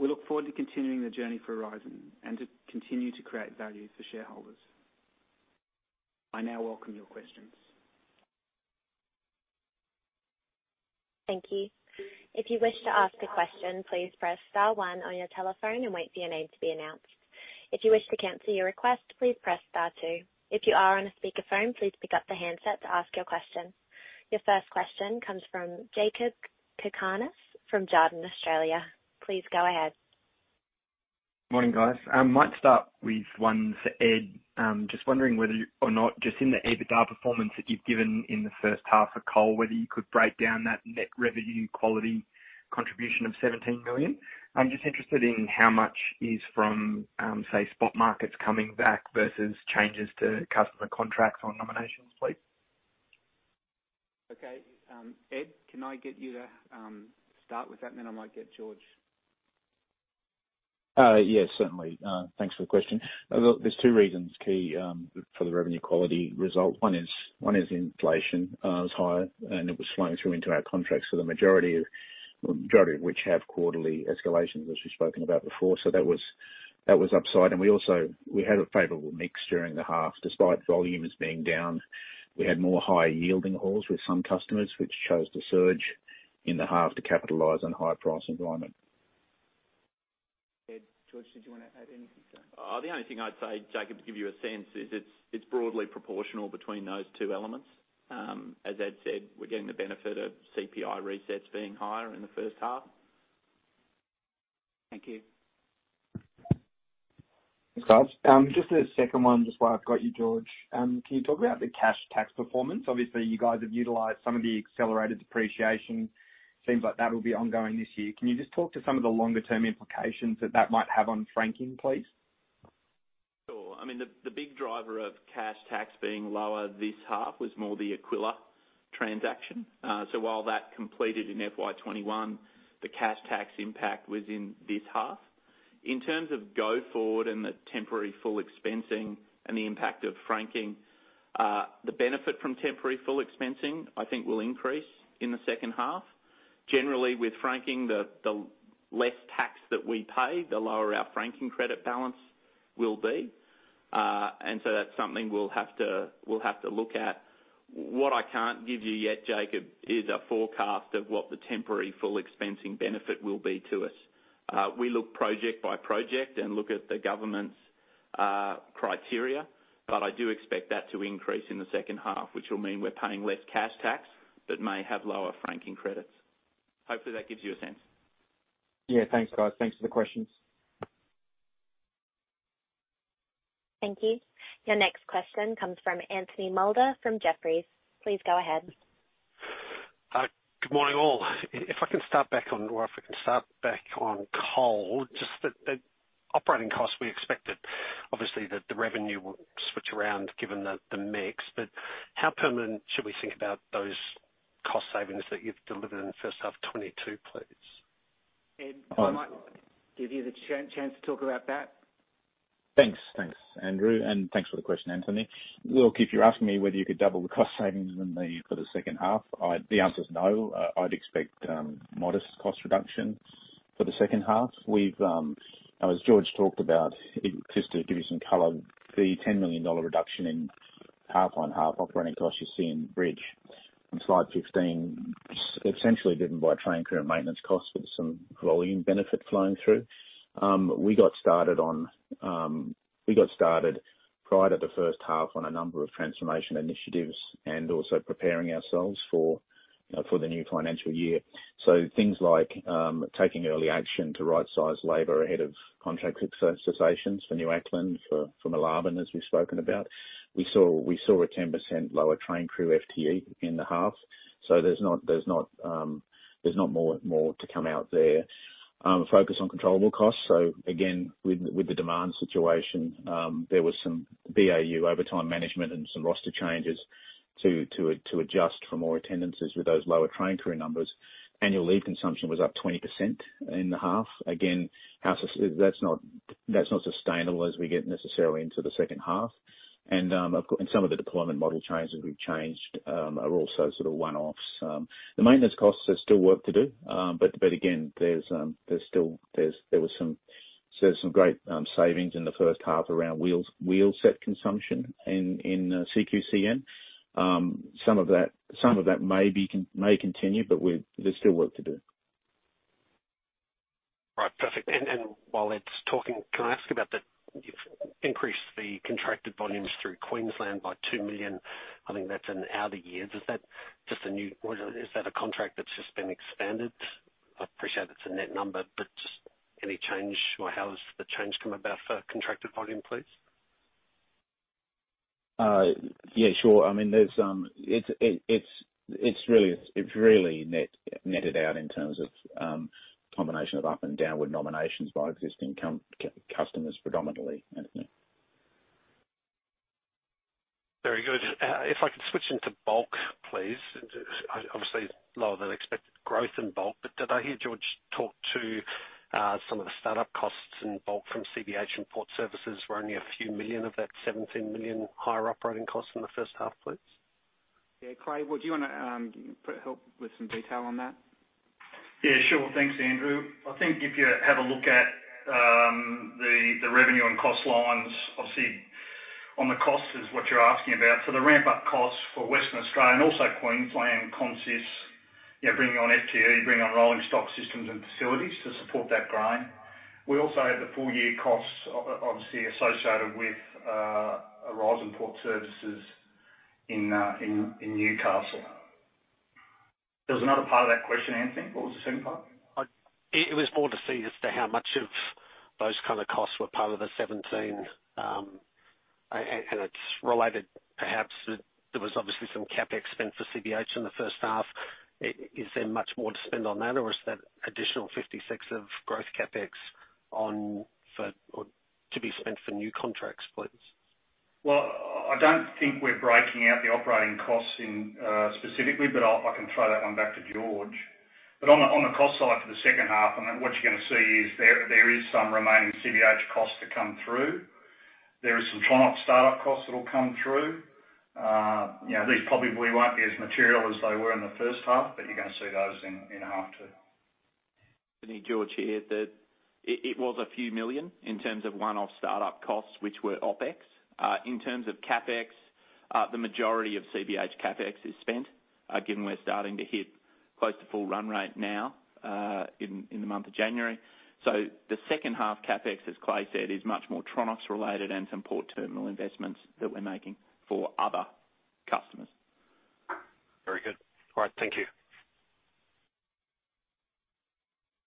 We look forward to continuing the journey for Aurizon and to continue to create value for shareholders. I now welcome your questions. Thank you. If you wish to ask a question, please press star one on your telephone and wait for your name to be announced. If you wish to cancel your request, please press star two. If you are on a speakerphone, please pick up the handset to ask your question. Your first question comes from Jakob Cakarnis from Jarden Australia. Please go ahead. Morning, guys. I might start with one for Ed. Just wondering whether or not just in the EBITDA performance that you've given in the first half of coal, whether you could break down that net revenue quality contribution of 17 million. I'm just interested in how much is from, say, spot markets coming back versus changes to customer contracts on nominations, please. Okay. Ed, can I get you to start with that, then I might get George. Yes, certainly. Thanks for the question. Well, there's two key reasons for the revenue quality result. One is inflation was higher, and it was flowing through into our contracts for the majority of which have quarterly escalations, as we've spoken about before. That was upside. We also had a favorable mix during the half. Despite volumes being down, we had more high-yielding hauls with some customers which chose to surge in the half to capitalize on high price environment. Ed, George, did you wanna add anything to that? The only thing I'd say, Jakob, to give you a sense, is it's broadly proportional between those two elements. As Ed said, we're getting the benefit of CPI resets being higher in the first half. Thank you. Thanks, guys. Just a second one, just while I've got you, George. Can you talk about the cash tax performance? Obviously you guys have utilized some of the accelerated depreciation. Seems like that will be ongoing this year. Can you just talk to some of the longer term implications that might have on franking, please? Sure. I mean, the big driver of cash tax being lower this half was more the Aquila transaction. So while that completed in FY 2021, the cash tax impact was in this half. In terms of go forward and the temporary full expensing and the impact of franking, the benefit from temporary full expensing, I think will increase in the second half. Generally, with franking, the less tax that we pay, the lower our franking credit balance will be. That's something we'll have to look at. What I can't give you yet, Jakob, is a forecast of what the temporary full expensing benefit will be to us. We look project by project and look at the government's criteria, but I do expect that to increase in the second half, which will mean we're paying less cash tax, but may have lower franking credits. Hopefully that gives you a sense. Yeah. Thanks, guys. Thanks for the questions. Thank you. Your next question comes from Anthony Moulder from Jefferies. Please go ahead. Good morning all. If I can start back on coal. Just the operating costs we expected, obviously, the revenue will switch around given the mix. How permanent should we think about those cost savings that you've delivered in the first half of 2022, please? Ed, I might give you the chance to talk about that. Thanks. Thanks, Andrew, and thanks for the question, Anthony. Look, if you're asking me whether you could double the cost savings in the for the second half, the answer is no. I'd expect modest cost reduction for the second half. We've, as George talked about, just to give you some color, the 10 million dollar reduction in half-on-half operating costs you see in Bridge on slide 15, essentially driven by train crew and maintenance costs with some volume benefit flowing through. We got started prior to the first half on a number of transformation initiatives and also preparing ourselves for the new financial year. Things like taking early action to right-size labor ahead of contract extensions for New Acland, for Moolarben, as we've spoken about. We saw a 10% lower train crew FTE in the half. There's not more to come out there. Focus on controllable costs. Again, with the demand situation, there was some BAU overtime management and some roster changes to adjust for more attendances with those lower train crew numbers. Annual leave consumption was up 20% in the half. Again, that's not sustainable as we get necessarily into the second half. Of course, some of the deployment model changes we've changed are also sort of one-offs. The maintenance costs, there's still work to do. Again, there were some great savings in the first half around wheels, wheel set consumption in CQCN. Some of that may continue, but there's still work to do. Right. Perfect. While it's talking, can I ask about the. You've increased the contracted volumes through Queensland by 2 million. I think that's an out year. Is that just a new or is that a contract that's just been expanded? I appreciate it's a net number, but just any change or how has the change come about for contracted volume, please? Yeah, sure. I mean, it's really netted out in terms of combination of up and downward nominations by existing customers, predominantly, Anthony. Very good. If I could switch into bulk, please. Obviously lower than expected growth in bulk, but did I hear George talk about some of the startup costs in bulk from CBH and Port Services were only a few million of that 17 million higher operating costs in the first half, please? Yeah. Clay, would you wanna help with some detail on that? Yeah, sure. Thanks, Andrew. I think if you have a look at the revenue and cost lines, obviously on the cost is what you're asking about. So the ramp-up cost for Western Australia and also Queensland consists, you know, bringing on FTE, bringing on rolling stock systems and facilities to support that growth. We also had the full-year costs obviously associated with Aurizon Port Services in Newcastle. There was another part of that question, Anthony. What was the second part? It was more to see as to how much of those kind of costs were part of the 17, and it's related perhaps to there was obviously some CapEx spend for CBH in the first half. Is there much more to spend on that or is that additional 56 of growth CapEx on for or to be spent for new contracts, please? Well, I don't think we're breaking out the operating costs in specifically, but I can throw that one back to George. On the cost side for the second half, and then what you're gonna see is there is some remaining CBH costs to come through. There is some Tronox start-up costs that'll come through. You know, these probably won't be as material as they were in the first half, but you're gonna see those in half two. George here. It was a few million in terms of one-off start-up costs, which were OpEx. In terms of CapEx, the majority of CBH CapEx is spent, given we're starting to hit close to full run rate now, in the month of January. The second half CapEx, as Clay said, is much more Tronox related and some port terminal investments that we're making for other customers. Very good. All right. Thank you.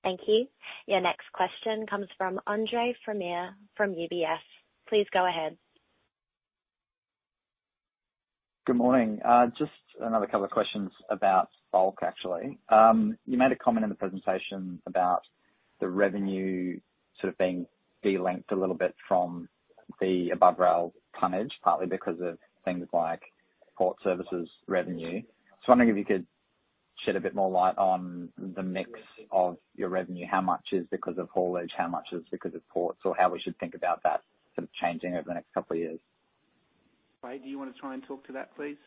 Thank you. Your next question comes from Andre Fromyhr from UBS. Please go ahead. Good morning. Just another couple of questions about bulk, actually. You made a comment in the presentation about the revenue sort of being de-linked a little bit from the above-rail tonnage, partly because of things like Port Services revenue. Wondering if you could shed a bit more light on the mix of your revenue, how much is because of haulage, how much is because of ports, or how we should think about that sort of changing over the next couple of years. Clay, do you wanna try and talk to that, please?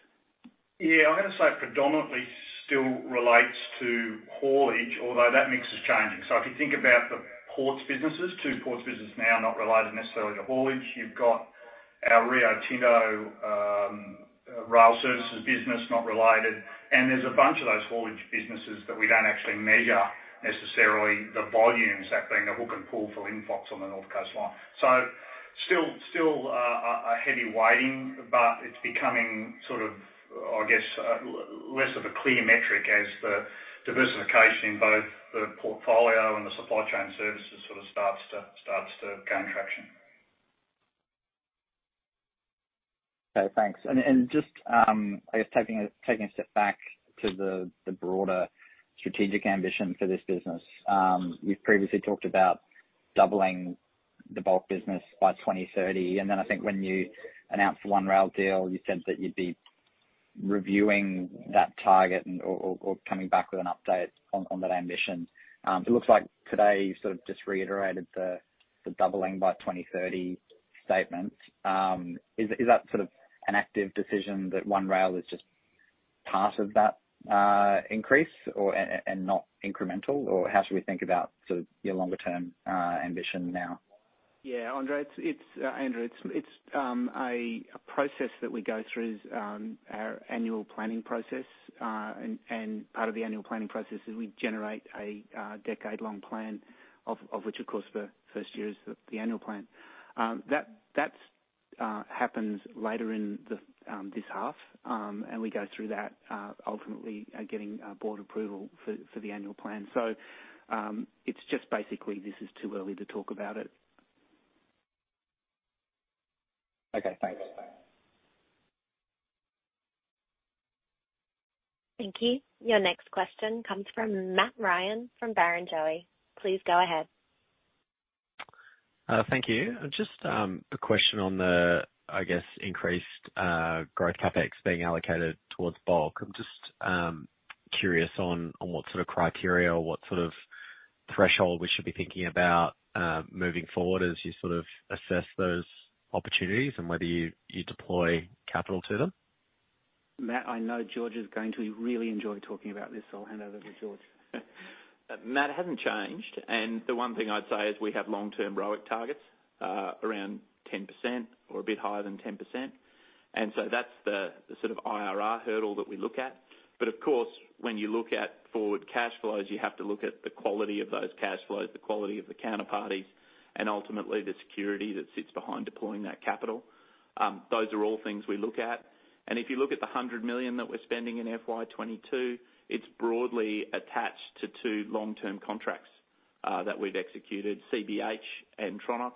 Yeah. I'm gonna say predominantly still relates to haulage, although that mix is changing. If you think about the ports businesses, two ports business now are not related necessarily to haulage. You've got our Rio Tinto rail services business not related, and there's a bunch of those haulage businesses that we don't actually measure necessarily the volumes, that being the hook and pull for Linfox on the North Coast line. Still a heavy weighting, but it's becoming sort of, I guess, less of a clear metric as the diversification in both the portfolio and the supply chain services sort of starts to gain traction. Okay, thanks. Just, I guess taking a step back to the broader strategic ambition for this business, you've previously talked about doubling the bulk business by 2030, and then I think when you announced the OneRail deal, you said that you'd be reviewing that target or coming back with an update on that ambition. It looks like today you sort of just reiterated the doubling by 2030 statement. Is that sort of an active decision that OneRail is just part of that increase or not incremental? Or how should we think about sort of your longer-term ambition now? Yeah, Andre, it's Andrew. It's a process that we go through as our annual planning process. Part of the annual planning process is we generate a decade-long plan of which of course the first year is the annual plan. That happens later in this half, and we go through that, ultimately getting board approval for the annual plan. It's just basically this is too early to talk about it. Okay, thanks. Thank you. Your next question comes from Matt Ryan from Barrenjoey. Please go ahead. Thank you. Just a question on the, I guess, increased growth CapEx being allocated towards bulk. I'm just curious on what sort of criteria or what sort of threshold we should be thinking about moving forward as you sort of assess those opportunities and whether you deploy capital to them. Matt, I know George is going to really enjoy talking about this, so I'll hand over to George. Matt, it hasn't changed. The one thing I'd say is we have long-term ROIC targets around 10% or a bit higher than 10%. That's the sort of IRR hurdle that we look at. Of course, when you look at forward cash flows, you have to look at the quality of those cash flows, the quality of the counterparties, and ultimately the security that sits behind deploying that capital. Those are all things we look at. If you look at the 100 million that we're spending in FY 2022, it's broadly attached to two long-term contracts that we've executed, CBH and Tronox,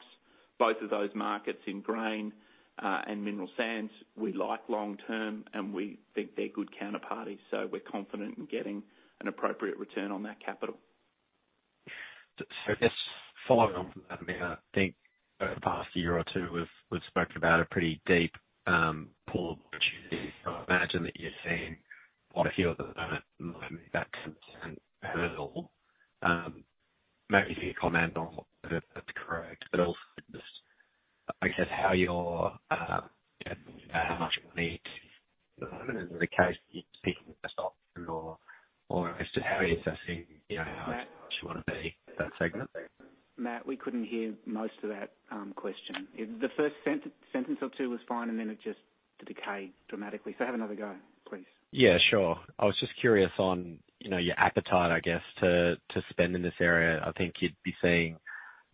both of those markets in grain and mineral sands. We like long-term, and we think they're good counterparties, so we're confident in getting an appropriate return on that capital. I guess following on from that, I mean, I think over the past year or two, we've spoken about a pretty deep pool of opportunities. I imagine that you're seeing quite a few of them that might meet that sort of hurdle. Maybe if you could comment on whether that's correct, but also just, I guess, how you're, how much you need to Matt- Is it the case that you're seeking the best option or as to how you're assessing, you know, how much you wanna pay for that segment? Matt, we couldn't hear most of that question. The first sentence or two was fine, and then it just decayed dramatically. Have another go, please. Yeah, sure. I was just curious on, you know, your appetite, I guess, to spend in this area. I think you'd be seeing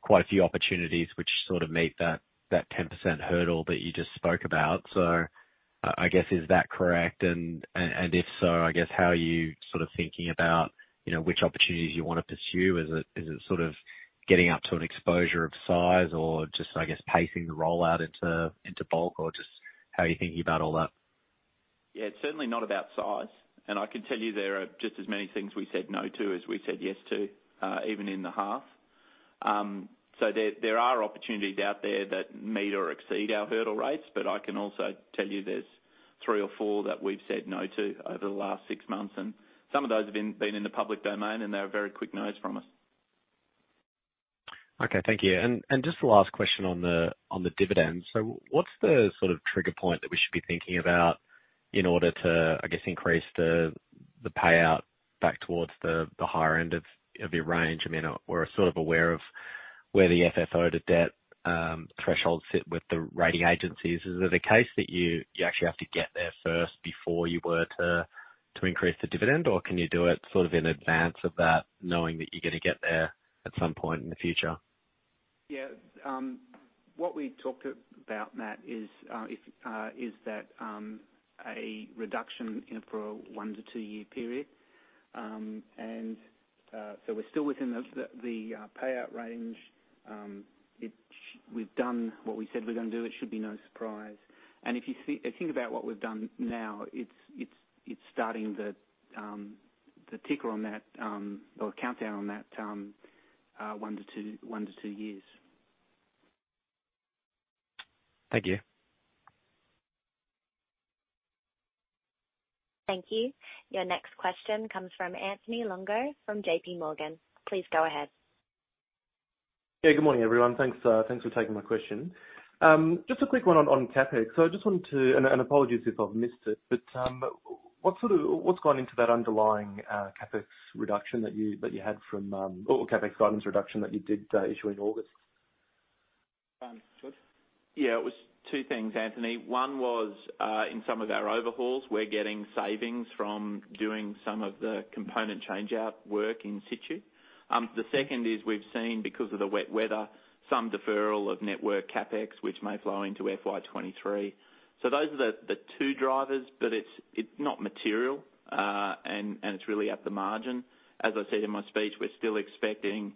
quite a few opportunities which sort of meet that 10% hurdle that you just spoke about. I guess, is that correct? If so, I guess how are you sort of thinking about, you know, which opportunities you wanna pursue? Is it sort of getting up to an exposure of size or just, I guess, pacing the rollout into bulk, or just how are you thinking about all that? Yeah, it's certainly not about size. I can tell you there are just as many things we said no to as we said yes to, even in the half. There are opportunities out there that meet or exceed our hurdle rates, but I can also tell you there's three or four that we've said no to over the last months months, and some of those have been in the public domain, and they are very quick nos from us. Okay. Thank you. Just the last question on the dividend. What's the sort of trigger point that we should be thinking about in order to, I guess, increase the payout back towards the higher end of your range? I mean, we're sort of aware of where the FFO to debt thresholds sit with the rating agencies. Is it a case that you actually have to get there first before you were to increase the dividend, or can you do it sort of in advance of that, knowing that you're gonna get there at some point in the future? Yeah. What we talked about, Matt, is that a reduction, you know, for a one-two year period. So we're still within the payout range. We've done what we said we're gonna do. It should be no surprise. If you think about what we've done now, it's starting the ticker on that or countdown on that one-two years. Thank you. Thank you. Your next question comes from Joseph Longo from JPMorgan. Please go ahead. Yeah, good morning, everyone. Thanks for taking my question. Just a quick one on CapEx. Apologies if I've missed it, but what's gone into that underlying CapEx reduction that you had from or CapEx guidance reduction that you did issue in August? George? Yeah. It was two things, Anthony. One was, in some of our overhauls, we're getting savings from doing some of the component change-out work in situ. The second is we've seen, because of the wet weather, some deferral of network CapEx, which may flow into FY 2023. Those are the two drivers, but it's not material, and it's really at the margin. As I said in my speech, we're still expecting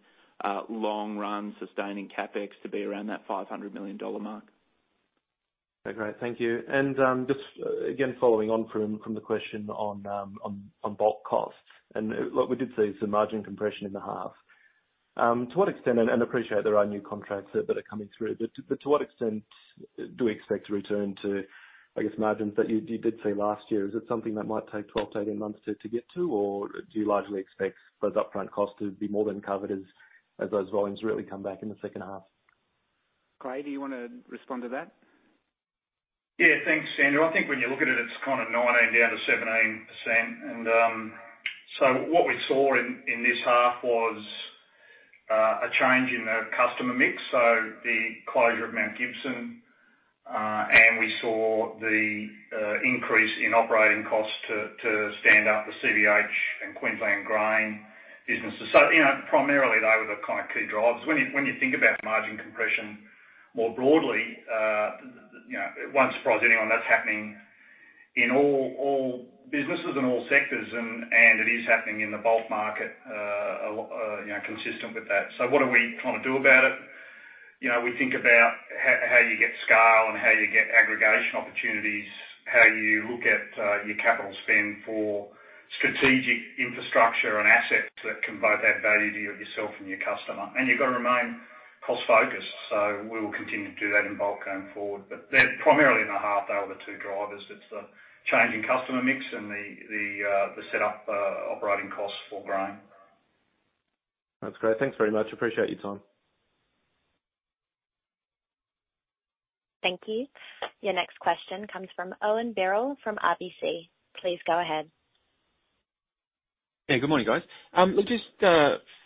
long-run sustaining CapEx to be around that 500 million dollar mark. Okay, great. Thank you. Just, again, following on from the question on bulk costs, and look, we did see some margin compression in the half. To what extent and appreciate there are new contracts that are coming through, but to what extent do we expect to return to, I guess, margins that you did see last year? Is it something that might take 12-18 months to get to? Or do you largely expect those upfront costs to be more than covered as those volumes really come back in the second half? Clay, do you wanna respond to that? Yeah. Thanks, Andrew. I think when you look at it's kind of 19% down to 17%. What we saw in this half was a change in the customer mix, so the closure of Mount Gibson. We saw the increase in operating costs to stand up the CBH and Queensland Grain businesses. You know, primarily, they were the kind of key drivers. When you think about margin compression more broadly, you know, it won't surprise anyone that's happening in all businesses and all sectors, and it is happening in the bulk market, you know, consistent with that. What are we trying to do about it? You know, we think about how you get scale and how you get aggregation opportunities, how you look at your capital spend for strategic infrastructure and assets that can both add value to you yourself and your customer. You've got to remain cost focused. We will continue to do that in bulk going forward. They're primarily in the half, they are the two drivers. It's the change in customer mix and the set up operating costs for Grain. That's great. Thanks very much. I appreciate your time. Thank you. Your next question comes from Owen Birrell from RBC. Please go ahead. Yeah, good morning, guys. Look, just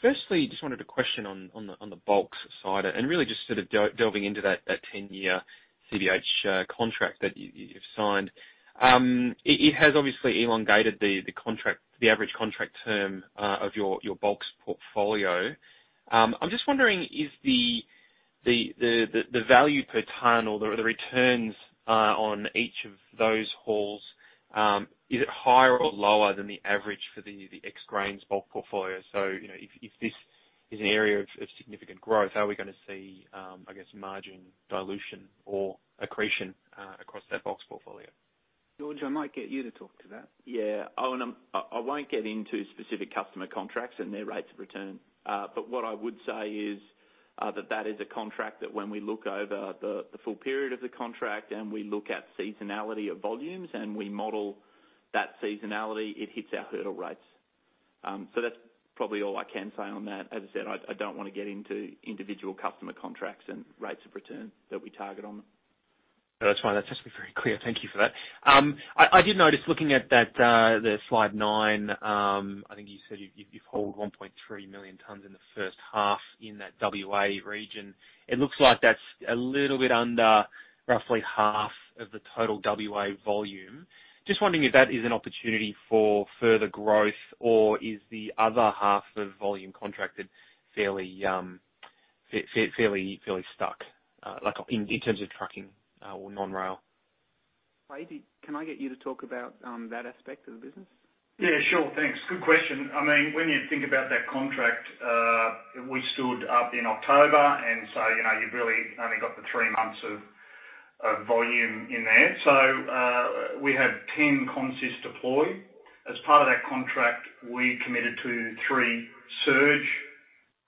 firstly, just wanted a question on the bulks side and really just sort of delve into that 10-year CBH contract that you've signed. It has obviously elongated the average contract term of your bulks portfolio. I'm just wondering, is the value per ton or the returns on each of those hauls higher or lower than the average for the ex grains bulk portfolio? You know, if this is an area of significant growth, are we gonna see, I guess, margin dilution or accretion across that bulks portfolio? George, I might get you to talk to that. Yeah. Owen, I won't get into specific customer contracts and their rates of return. What I would say is, that is a contract that when we look over the full period of the contract and we look at seasonality of volumes and we model that seasonality, it hits our hurdle rates. That's probably all I can say on that. As I said, I don't want to get into individual customer contracts and rates of return that we target on them. No, that's fine. That's actually very clear. Thank you for that. I did notice looking at that, the slide 9, I think you said you've hauled 1.3 million tons in the first half in that WA region. It looks like that's a little bit under roughly half of the total WA volume. Just wondering if that is an opportunity for further growth or is the other half of volume contracted fairly stuck, like in terms of trucking, or non-rail? Clay, can I get you to talk about that aspect of the business? Yeah, sure. Thanks. Good question. I mean, when you think about that contract, we stood up in October, and so, you know, you've really only got the three months of volume in there. We have 10 consists deployed. As part of that contract, we committed to three surge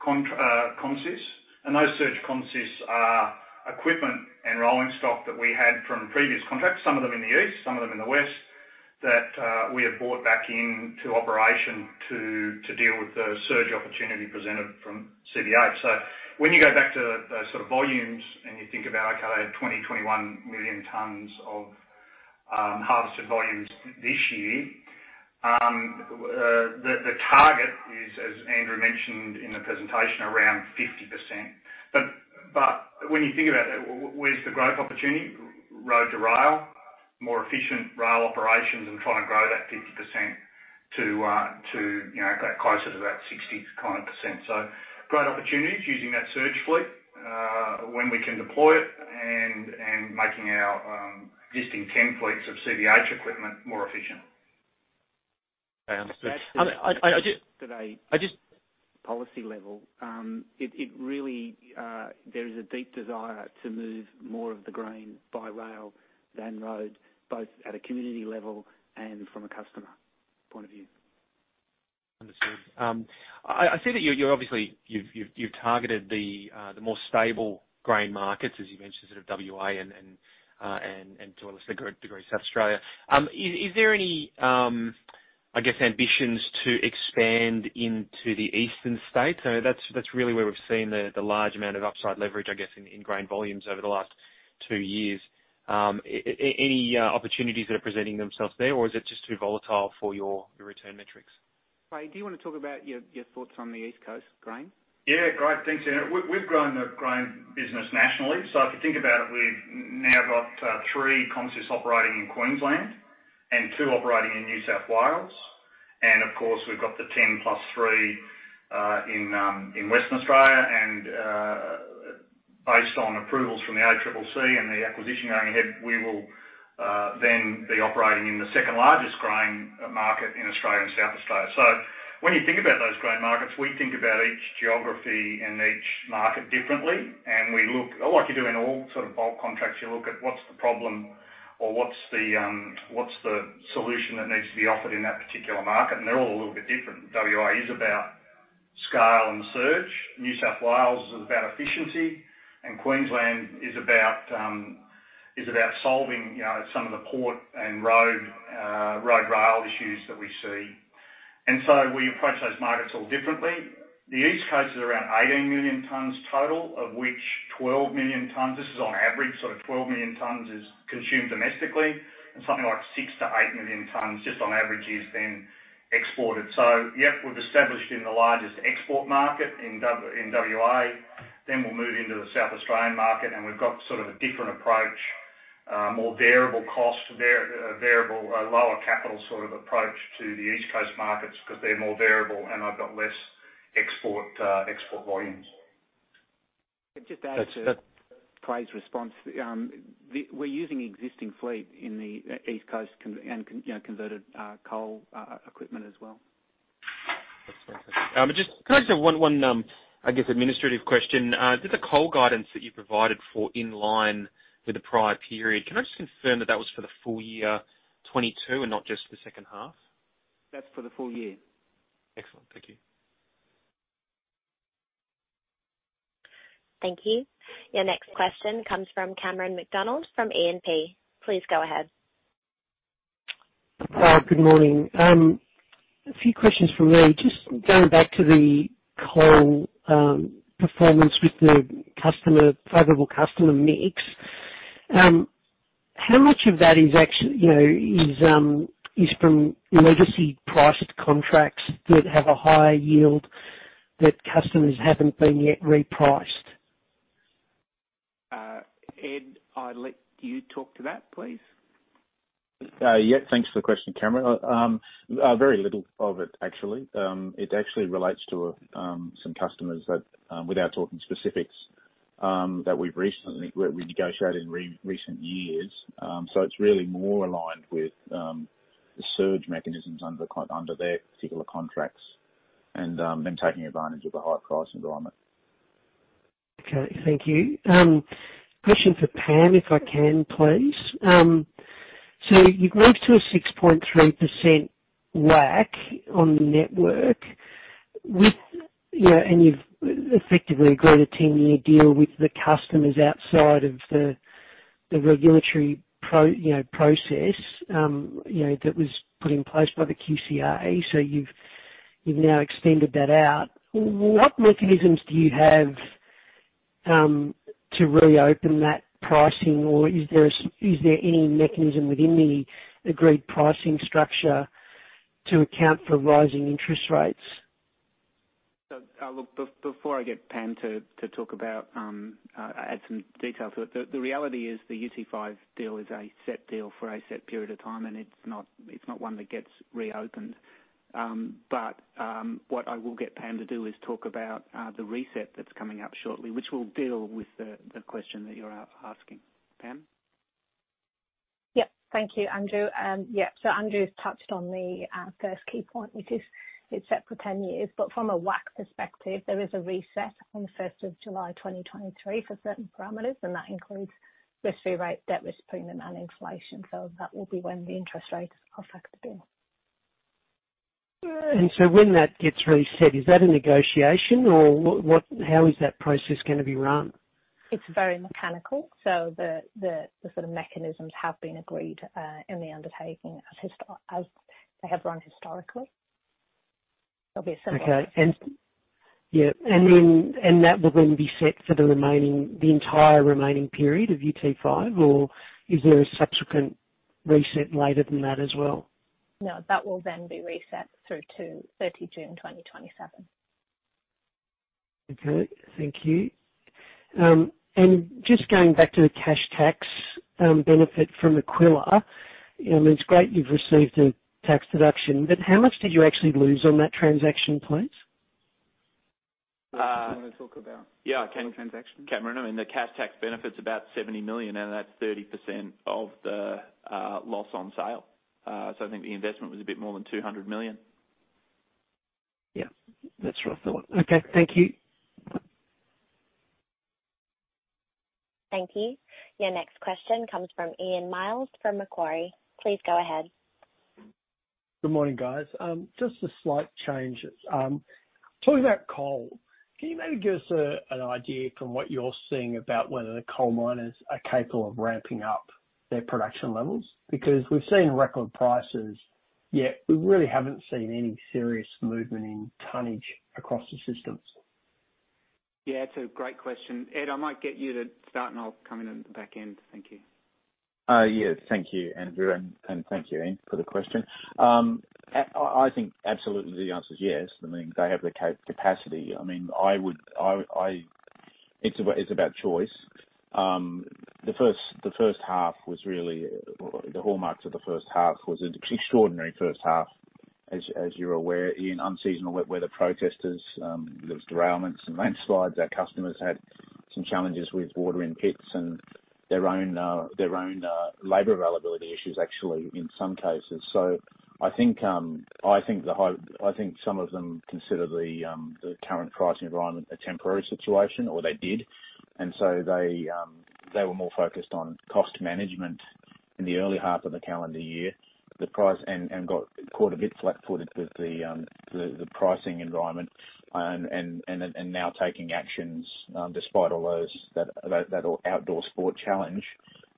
consists, and those surge consists are equipment and rolling stock that we had from previous contracts, some of them in the east, some of them in the west, that we have brought back into operation to deal with the surge opportunity presented from CBH. When you go back to those sort of volumes, and you think about, okay, they had 20, 21 million tons of harvested volumes this year, the target is, as Andrew mentioned in the presentation, around 50%. When you think about that, where's the growth opportunity? Road to rail, more efficient rail operations, and trying to grow that 50% to you know get closer to that 60 kind of %. Great opportunities using that surge fleet when we can deploy it and making our existing 10 fleets of CBH equipment more efficient. Understood. I just- That's today. I just- Policy level, there is a deep desire to move more of the grain by rail than road, both at a community level and from a customer point of view. Understood. I see that you've obviously targeted the more stable grain markets, as you mentioned, sort of WA and to a less degree South Australia. Is there any ambitions to expand into the eastern states? That's really where we've seen the large amount of upside leverage, I guess, in grain volumes over the last two years. Any opportunities that are presenting themselves there, or is it just too volatile for your return metrics? Clay, do you wanna talk about your thoughts on the East Coast grain? Yeah. Great. Thanks, Andrew. We've grown the grain business nationally. If you think about it, we've now got three consists operating in Queensland and two operating in New South Wales. Of course, we've got the 10 + 3 in Western Australia. Based on approvals from the ACCC and the acquisition going ahead, we will then be operating in the second-largest grain market in Australia and South Australia. When you think about those grain markets, we think about each geography and each market differently. We look. A lot you do in all sort of bulk contracts, you look at what's the problem or what's the solution that needs to be offered in that particular market. They're all a little bit different. WA is about scale and surge. New South Wales is about efficiency, and Queensland is about solving some of the port and road rail issues that we see. We approach those markets all differently. The East Coast is around 18 million tons total, of which 12 million tons, this is on average, sort of 12 million tons is consumed domestically and something like 6-8 million tons just on average is being exported. Yep, we've established in the largest export market in WA, then we'll move into the South Australian market, and we've got sort of a different approach, more variable cost, variable, lower capital sort of approach to the East Coast markets because they're more variable and they've got less export volumes. Can I just add to Clay's response? We're using existing fleet in the East Coast and, you know, converted coal equipment as well. That's fantastic. Just, can I just have one, I guess administrative question. The coal guidance that you provided for in line with the prior period. Can I just confirm that was for the full year 2022 and not just the second half? That's for the full year. Excellent. Thank you. Thank you. Your next question comes from Cameron McDonald from AMP. Please go ahead. Good morning. A few questions from me. Just going back to the coal performance with the customer, favorable customer mix. How much of that is actually, you know, is from legacy priced contracts that have a higher yield that customers haven't been yet repriced? Ed, I'll let you talk to that, please. Yeah. Thanks for the question, Cameron. Very little of it actually. It actually relates to some customers that, without talking specifics, that we've recently negotiated in recent years. It's really more aligned with the surge mechanisms under their particular contracts and them taking advantage of the higher price environment. Okay. Thank you. Question for Pam, if I can, please. You've moved to a 6.3% WACC on the network with, you know, and you've effectively agreed a 10-year deal with the customers outside of the regulatory process that was put in place by the QCA. You've now extended that out. What mechanisms do you have to reopen that pricing or is there any mechanism within the agreed pricing structure to account for rising interest rates? Look, before I get Pam to talk about, add some detail to it. The reality is the UT5 deal is a set deal for a set period of time, and it's not one that gets reopened. What I will get Pam to do is talk about the reset that's coming up shortly, which will deal with the question that you're asking. Pam. Yep. Thank you, Andrew. Andrew's touched on the first key point, which is it's set for ten years, but from a WACC perspective, there is a reset on the first of July 2023 for certain parameters, and that includes risk-free rate, debt risk premium and inflation. That will be when the interest rates are factored in. When that gets reset, is that a negotiation or what—how is that process gonna be run? It's very mechanical. The sort of mechanisms have been agreed in the undertaking as they have run historically. There'll be a similar- That will then be set for the entire remaining period of UT5 or is there a subsequent reset later than that as well? No. That will then be reset through to June 30 2027. Okay. Thank you. Just going back to the cash tax benefit from Aquila, I mean, it's great you've received a tax deduction, but how much did you actually lose on that transaction, please? Uh- Do you wanna talk about? Yeah. the transaction? Cameron, I mean, the cash tax benefit's about 70 million, and that's 30% of the loss on sale. So I think the investment was a bit more than 200 million. Yeah, that's what I thought. Okay. Thank you. Thank you. Your next question comes from Ian Myles from Macquarie. Please go ahead. Good morning, guys. Just a slight change. Talking about coal, can you maybe give us an idea from what you're seeing about whether the coal miners are capable of ramping up their production levels? Because we've seen record prices, yet we really haven't seen any serious movement in tonnage across the systems. Yeah. It's a great question. Ed, I might get you to start, and I'll come in at the back end. Thank you. Thank you, Andrew, and thank you, Ian, for the question. I think absolutely the answer is yes. I mean, they have the capacity. I mean, it's about choice. The first half was really the hallmarks of the first half was an extraordinary first half, as you're aware, Ian. Unseasonal weather, protesters, there was derailments and landslides. Our customers had some challenges with water in pits and their own labor availability. which is actually in some cases. I think some of them consider the current pricing environment a temporary situation, or they did. They were more focused on cost management in the early half of the calendar year. Got caught a bit flat-footed with the pricing environment. Now taking actions, despite all those other sort of challenges,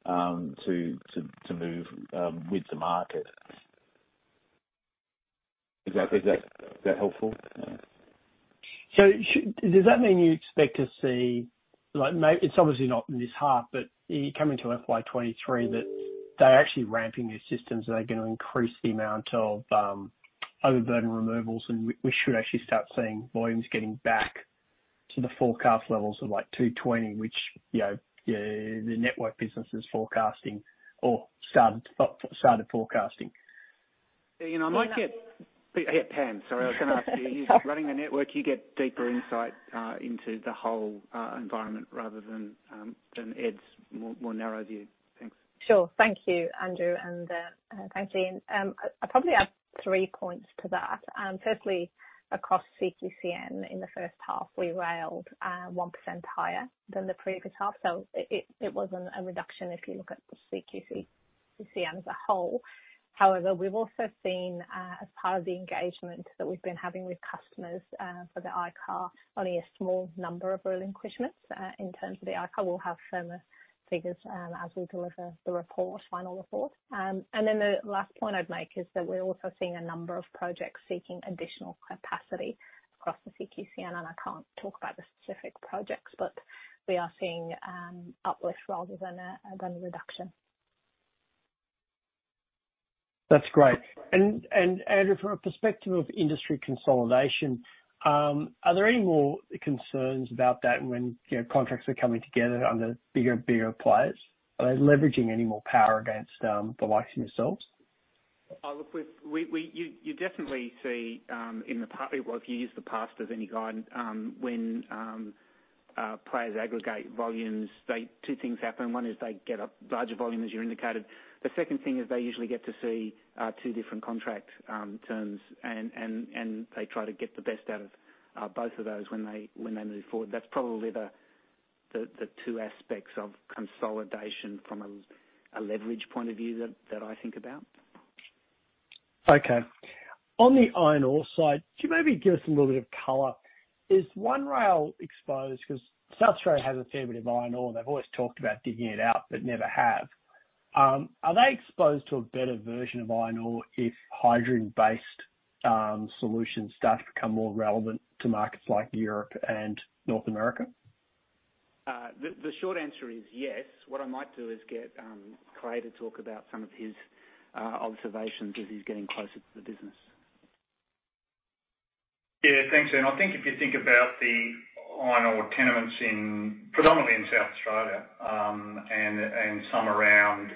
to move with the market. Is that helpful? Does that mean you expect to see? It's obviously not in this half, but you come into FY 2023 that they're actually ramping your systems, they're gonna increase the amount of overburden removals, and we should actually start seeing volumes getting back to the forecast levels of like 220, which, you know, the network business is forecasting or started forecasting. Ian Myles, I might get- Or not- Pam, sorry. I was gonna ask you. You're running the network, you get deeper insight into the whole environment rather than Ed's more narrow view. Thanks. Sure. Thank you, Andrew, and thanks, Ian. I'll probably add three points to that. Firstly, across CQCN in the first half, we railed 1% higher than the previous half. It wasn't a reduction if you look at the CQCN as a whole. However, we've also seen as part of the engagement that we've been having with customers for the ICAR, only a small number of relinquishments in terms of the ICAR. We'll have firmer figures as we deliver the report, final report. Then the last point I'd make is that we're also seeing a number of projects seeking additional capacity across the CQCN, and I can't talk about the specific projects, but we are seeing uplift rather than a reduction. That's great. Andrew, from a perspective of industry consolidation, are there any more concerns about that when, you know, contracts are coming together under bigger and bigger players? Are they leveraging any more power against the likes of yourselves? You definitely see in the past. Well, if you use the past as any guide, when players aggregate volumes, two things happen. One is they get a larger volume, as you indicated. The second thing is they usually get to see two different contract terms and they try to get the best out of both of those when they move forward. That's probably the two aspects of consolidation from a leverage point of view that I think about. Okay. On the iron ore side, could you maybe give us a little bit of color? Is OneRail exposed? 'Cause South Australia has a fair bit of iron ore, and they've always talked about digging it out, but never have. Are they exposed to a better version of iron ore if hydrogen-based solutions start to become more relevant to markets like Europe and North America? The short answer is yes. What I might do is get Clay to talk about some of his observations as he's getting closer to the business. Yeah, thanks, Ian. I think if you think about the iron ore tenements in predominantly in South Australia and some around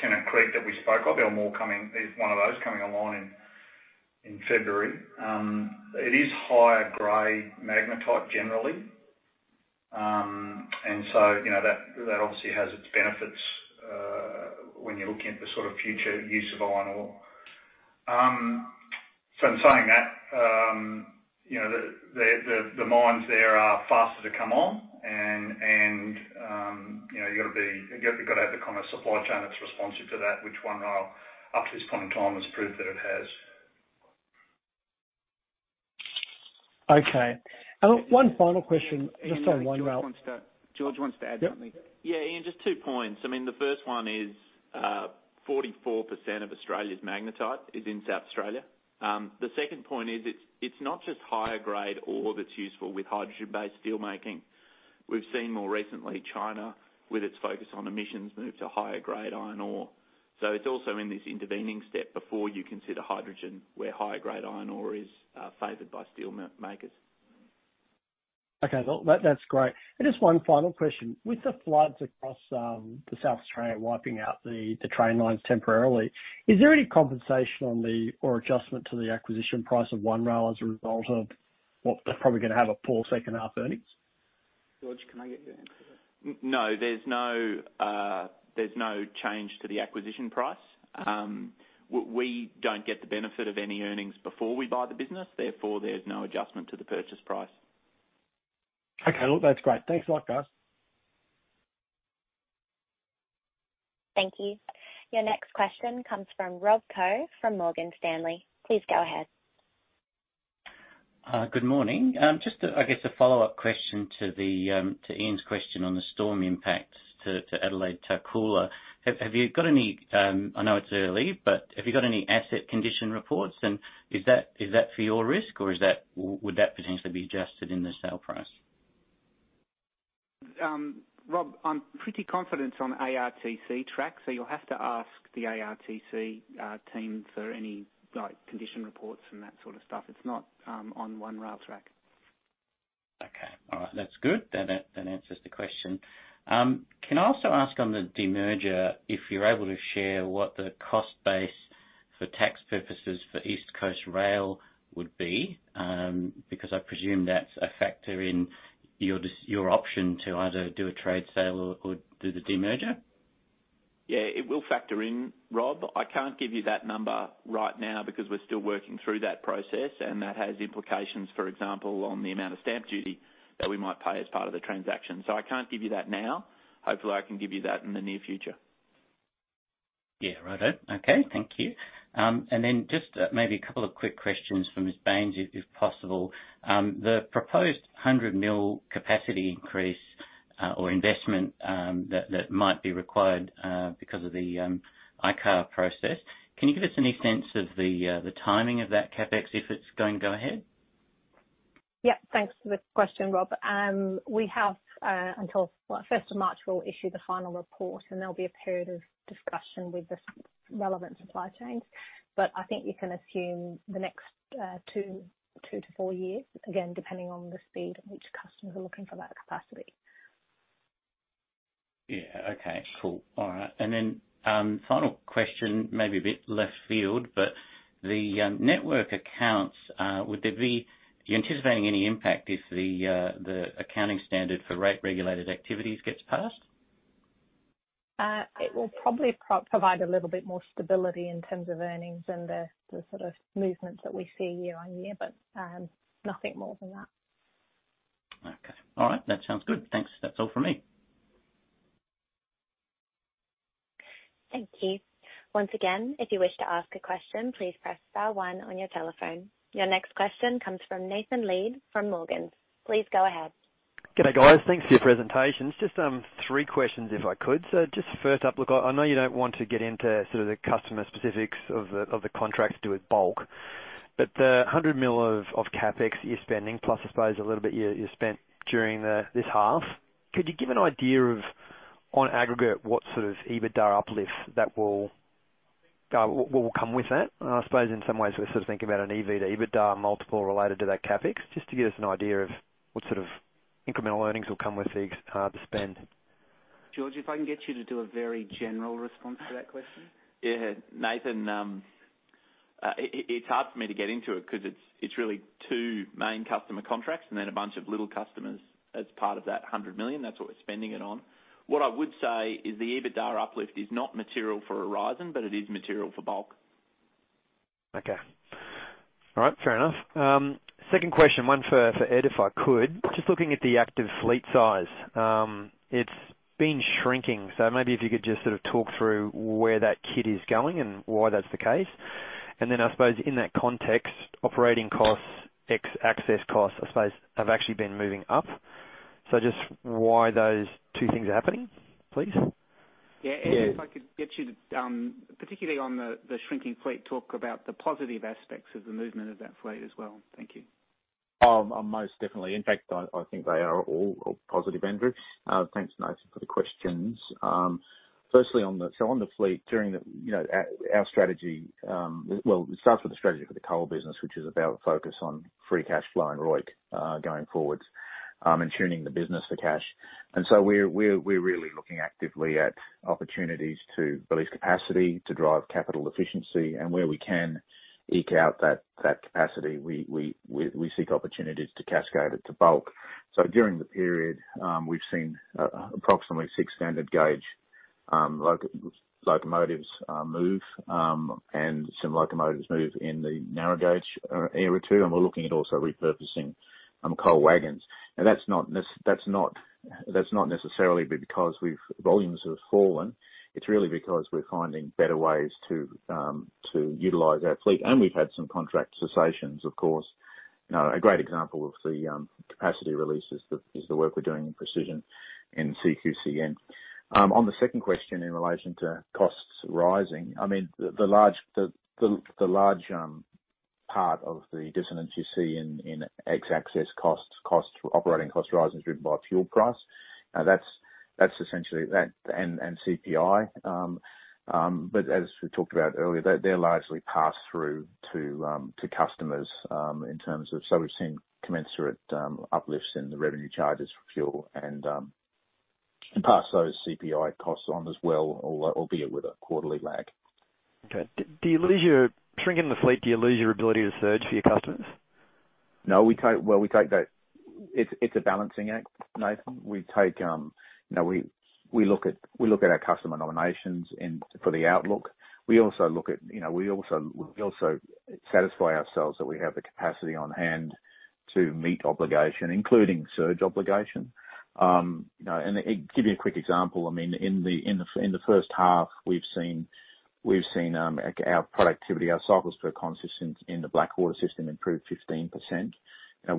Tennant Creek that we spoke of, there are more coming. There's one of those coming online in February. It is higher grade magnetite, generally. You know, that obviously has its benefits when you're looking at the sort of future use of iron ore. In saying that, you know, the mines there are faster to come on and you gotta have the kind of supply chain that's responsive to that, which OneRail, up to this point in time, has proved that it has. Okay. One final question just on OneRail. Ian, George wants to add something. Yep. Yeah, Ian, just two points. I mean, the first one is 44% of Australia's magnetite is in South Australia. The second point is it's not just higher grade ore that's useful with hydrogen-based steel making. We've seen more recently China, with its focus on emissions, move to higher grade iron ore. It's also in this intervening step before you consider hydrogen, where higher grade iron ore is favored by steel makers. Okay. Well, that's great. Just one final question. With the floods across South Australia wiping out the train lines temporarily, is there any compensation or adjustment to the acquisition price of OneRail as a result of what they're probably gonna have a poor second half earnings? George, can I get you to answer that? No, there's no change to the acquisition price. We don't get the benefit of any earnings before we buy the business, therefore there's no adjustment to the purchase price. Okay. Well, that's great. Thanks a lot, guys. Thank you. Your next question comes from Rob Koh from Morgan Stanley. Please go ahead. Good morning. Just a follow-up question to Ian's question on the storm impacts to Adelaide to Coolah. Have you got any asset condition reports? I know it's early, but have you got any asset condition reports? And is that for your risk or would that potentially be adjusted in the sale price? Rob, I'm pretty confident on ARTC track, so you'll have to ask the ARTC team for any condition reports and that sort of stuff. It's not on OneRail track. Okay. All right. That's good. That answers the question. Can I also ask on the demerger if you're able to share what the cost base. For tax purposes for East Coast Rail would be, because I presume that's a factor in your option to either do a trade sale or do the demerger. Yeah, it will factor in, Rob. I can't give you that number right now because we're still working through that process, and that has implications, for example, on the amount of stamp duty that we might pay as part of the transaction. I can't give you that now. Hopefully, I can give you that in the near future. Yeah. Righto. Okay. Thank you. Then just maybe a couple of quick questions for Pam Baines, if possible. The proposed 100 million capacity increase or investment that might be required because of the ICAR process. Can you give us any sense of the timing of that CapEx, if it's going to go ahead? Yeah. Thanks for the question, Rob. We have until first of March, we'll issue the final report, and there'll be a period of discussion with the relevant supply chains. I think you can assume the next two-four years, again, depending on the speed at which customers are looking for that capacity. Yeah. Okay, cool. All right. Then, final question, maybe a bit left field, but the network accounts, are you anticipating any impact if the accounting standard for rate-regulated activities gets passed? It will probably provide a little bit more stability in terms of earnings and the sort of movements that we see year on year, but nothing more than that. Okay. All right. That sounds good. Thanks. That's all for me. Thank you. Once again, if you wish to ask a question, please press star one on your telephone. Your next question comes from Nathan Feather from Morgans. Please go ahead. G'day, guys. Thanks for your presentations. Just three questions if I could. Just first up, look, I know you don't want to get into sort of the customer specifics of the contracts to do with Bulk, but the 100 million of CapEx you're spending, plus I suppose a little bit you spent during this half, could you give an idea of, on aggregate, what sort of EBITDA uplift that will come with that? I suppose in some ways we're sort of thinking about an EV to EBITDA multiple related to that CapEx, just to give us an idea of what sort of incremental earnings will come with the spend. George, if I can get you to do a very general response to that question. Yeah. Nathan, it's hard for me to get into it because it's really two main customer contracts and then a bunch of little customers as part of that 100 million. That's what we're spending it on. What I would say is the EBITDA uplift is not material for Aurizon, but it is material for Bulk. Okay. All right. Fair enough. Second question, one for Ed, if I could. Just looking at the active fleet size, it's been shrinking. Maybe if you could just sort of talk through where that kit is going and why that's the case. Then I suppose in that context, operating costs, ex access costs, I suppose, have actually been moving up. Just why those two things are happening, please? Yeah. Yeah, Ed, if I could get you to, particularly on the shrinking fleet, talk about the positive aspects of the movement of that fleet as well. Thank you. Most definitely. In fact, I think they are all positive, Andrew. Thanks, Nathan, for the questions. Firstly on the fleet, during the, you know, our strategy, well, we start with the strategy for the coal business, which is about a focus on free cash flow and ROIC going forwards, and tuning the business for cash. We're really looking actively at opportunities to release capacity, to drive capital efficiency, and where we can eke out that capacity, we seek opportunities to cascade it to Bulk. During the period, we've seen approximately six standard gauge locomotives move, and some locomotives move in the narrow gauge area too, and we're looking at also repurposing coal wagons. Now that's not necessarily because volumes have fallen. It's really because we're finding better ways to utilize our fleet. We've had some contract cessations, of course. A great example of the capacity release is the work we're doing in Precision in CQCN. On the second question in relation to costs rising, the large part of the dissonance you see in access costs, operating cost rises driven by fuel price. That's essentially that and CPI. But as we talked about earlier, they're largely passed through to customers in terms of. So we've seen commensurate uplifts in the revenue charges for fuel and pass those CPI costs on as well, albeit with a quarterly lag. Shrinking the fleet, do you lose your ability to surge for your customers? No, well, we take that. It's a balancing act, Nathan. We look at our customer nominations and for the outlook. We also look at we satisfy ourselves that we have the capacity on hand to meet obligation, including surge obligation. Give you a quick example. I mean, in the first half, we've seen our productivity, our cycles per consist in the Blackwater system improved 15%. In our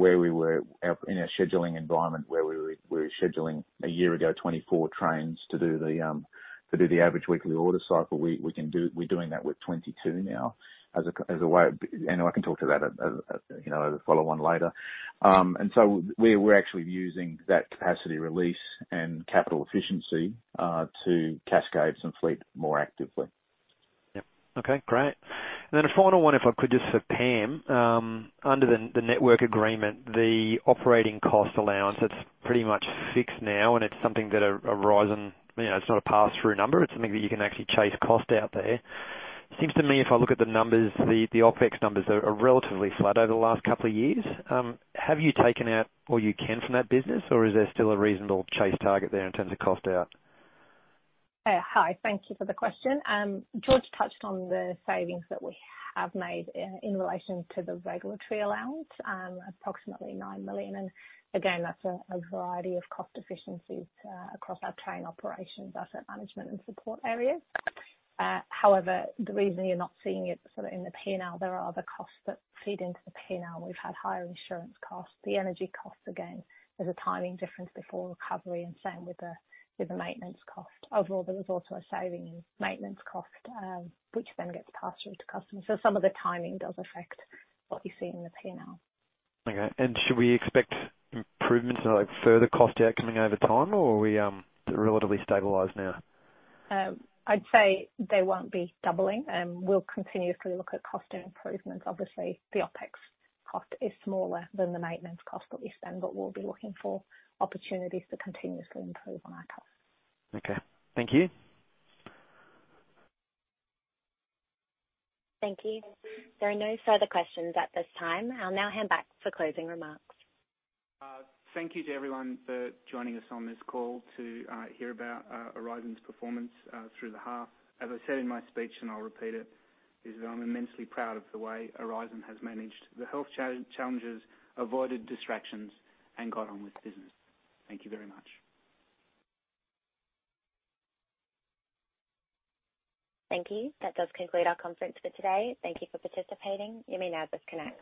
scheduling environment, a year ago we were scheduling 24 trains to do the average weekly order cycle, we're doing that with 22 now as a way. I can talk to that at you know at a follow-on later. We're actually using that capacity release and capital efficiency to cascade some fleet more actively. Yep. Okay, great. Then a final one, if I could, just for Pam. Under the network agreement, the operating cost allowance, it's pretty much fixed now, and it's something that Aurizon, you know, it's not a pass-through number. It's something that you can actually chase cost out there. Seems to me, if I look at the numbers, the OpEx numbers are relatively flat over the last couple of years. Have you taken out all you can from that business, or is there still a reasonable chase target there in terms of cost out? Hi. Thank you for the question. George touched on the savings that we have made in relation to the regulatory allowance, approximately 9 million. Again, that's a variety of cost efficiencies across our train operations, asset management and support areas. However, the reason you're not seeing it sort of in the P&L, there are other costs that feed into the P&L. We've had higher insurance costs. The energy costs, again, there's a timing difference before recovery and same with the maintenance cost. Overall, there was also a saving in maintenance cost, which then gets passed through to customers. Some of the timing does affect what you see in the P&L. Okay. Should we expect improvements or, like, further cost out coming over time, or are we relatively stabilized now? I'd say they won't be doubling, and we'll continuously look at cost improvements. Obviously, the OpEx cost is smaller than the maintenance cost that we spend, but we'll be looking for opportunities to continuously improve on our costs. Okay. Thank you. Thank you. There are no further questions at this time. I'll now hand back for closing remarks. Thank you to everyone for joining us on this call to hear about Aurizon's performance through the half. As I said in my speech, and I'll repeat it, is that I'm immensely proud of the way Aurizon has managed the health challenges, avoided distractions, and got on with business. Thank you very much. Thank you. That does conclude our conference for today. Thank you for participating. You may now disconnect.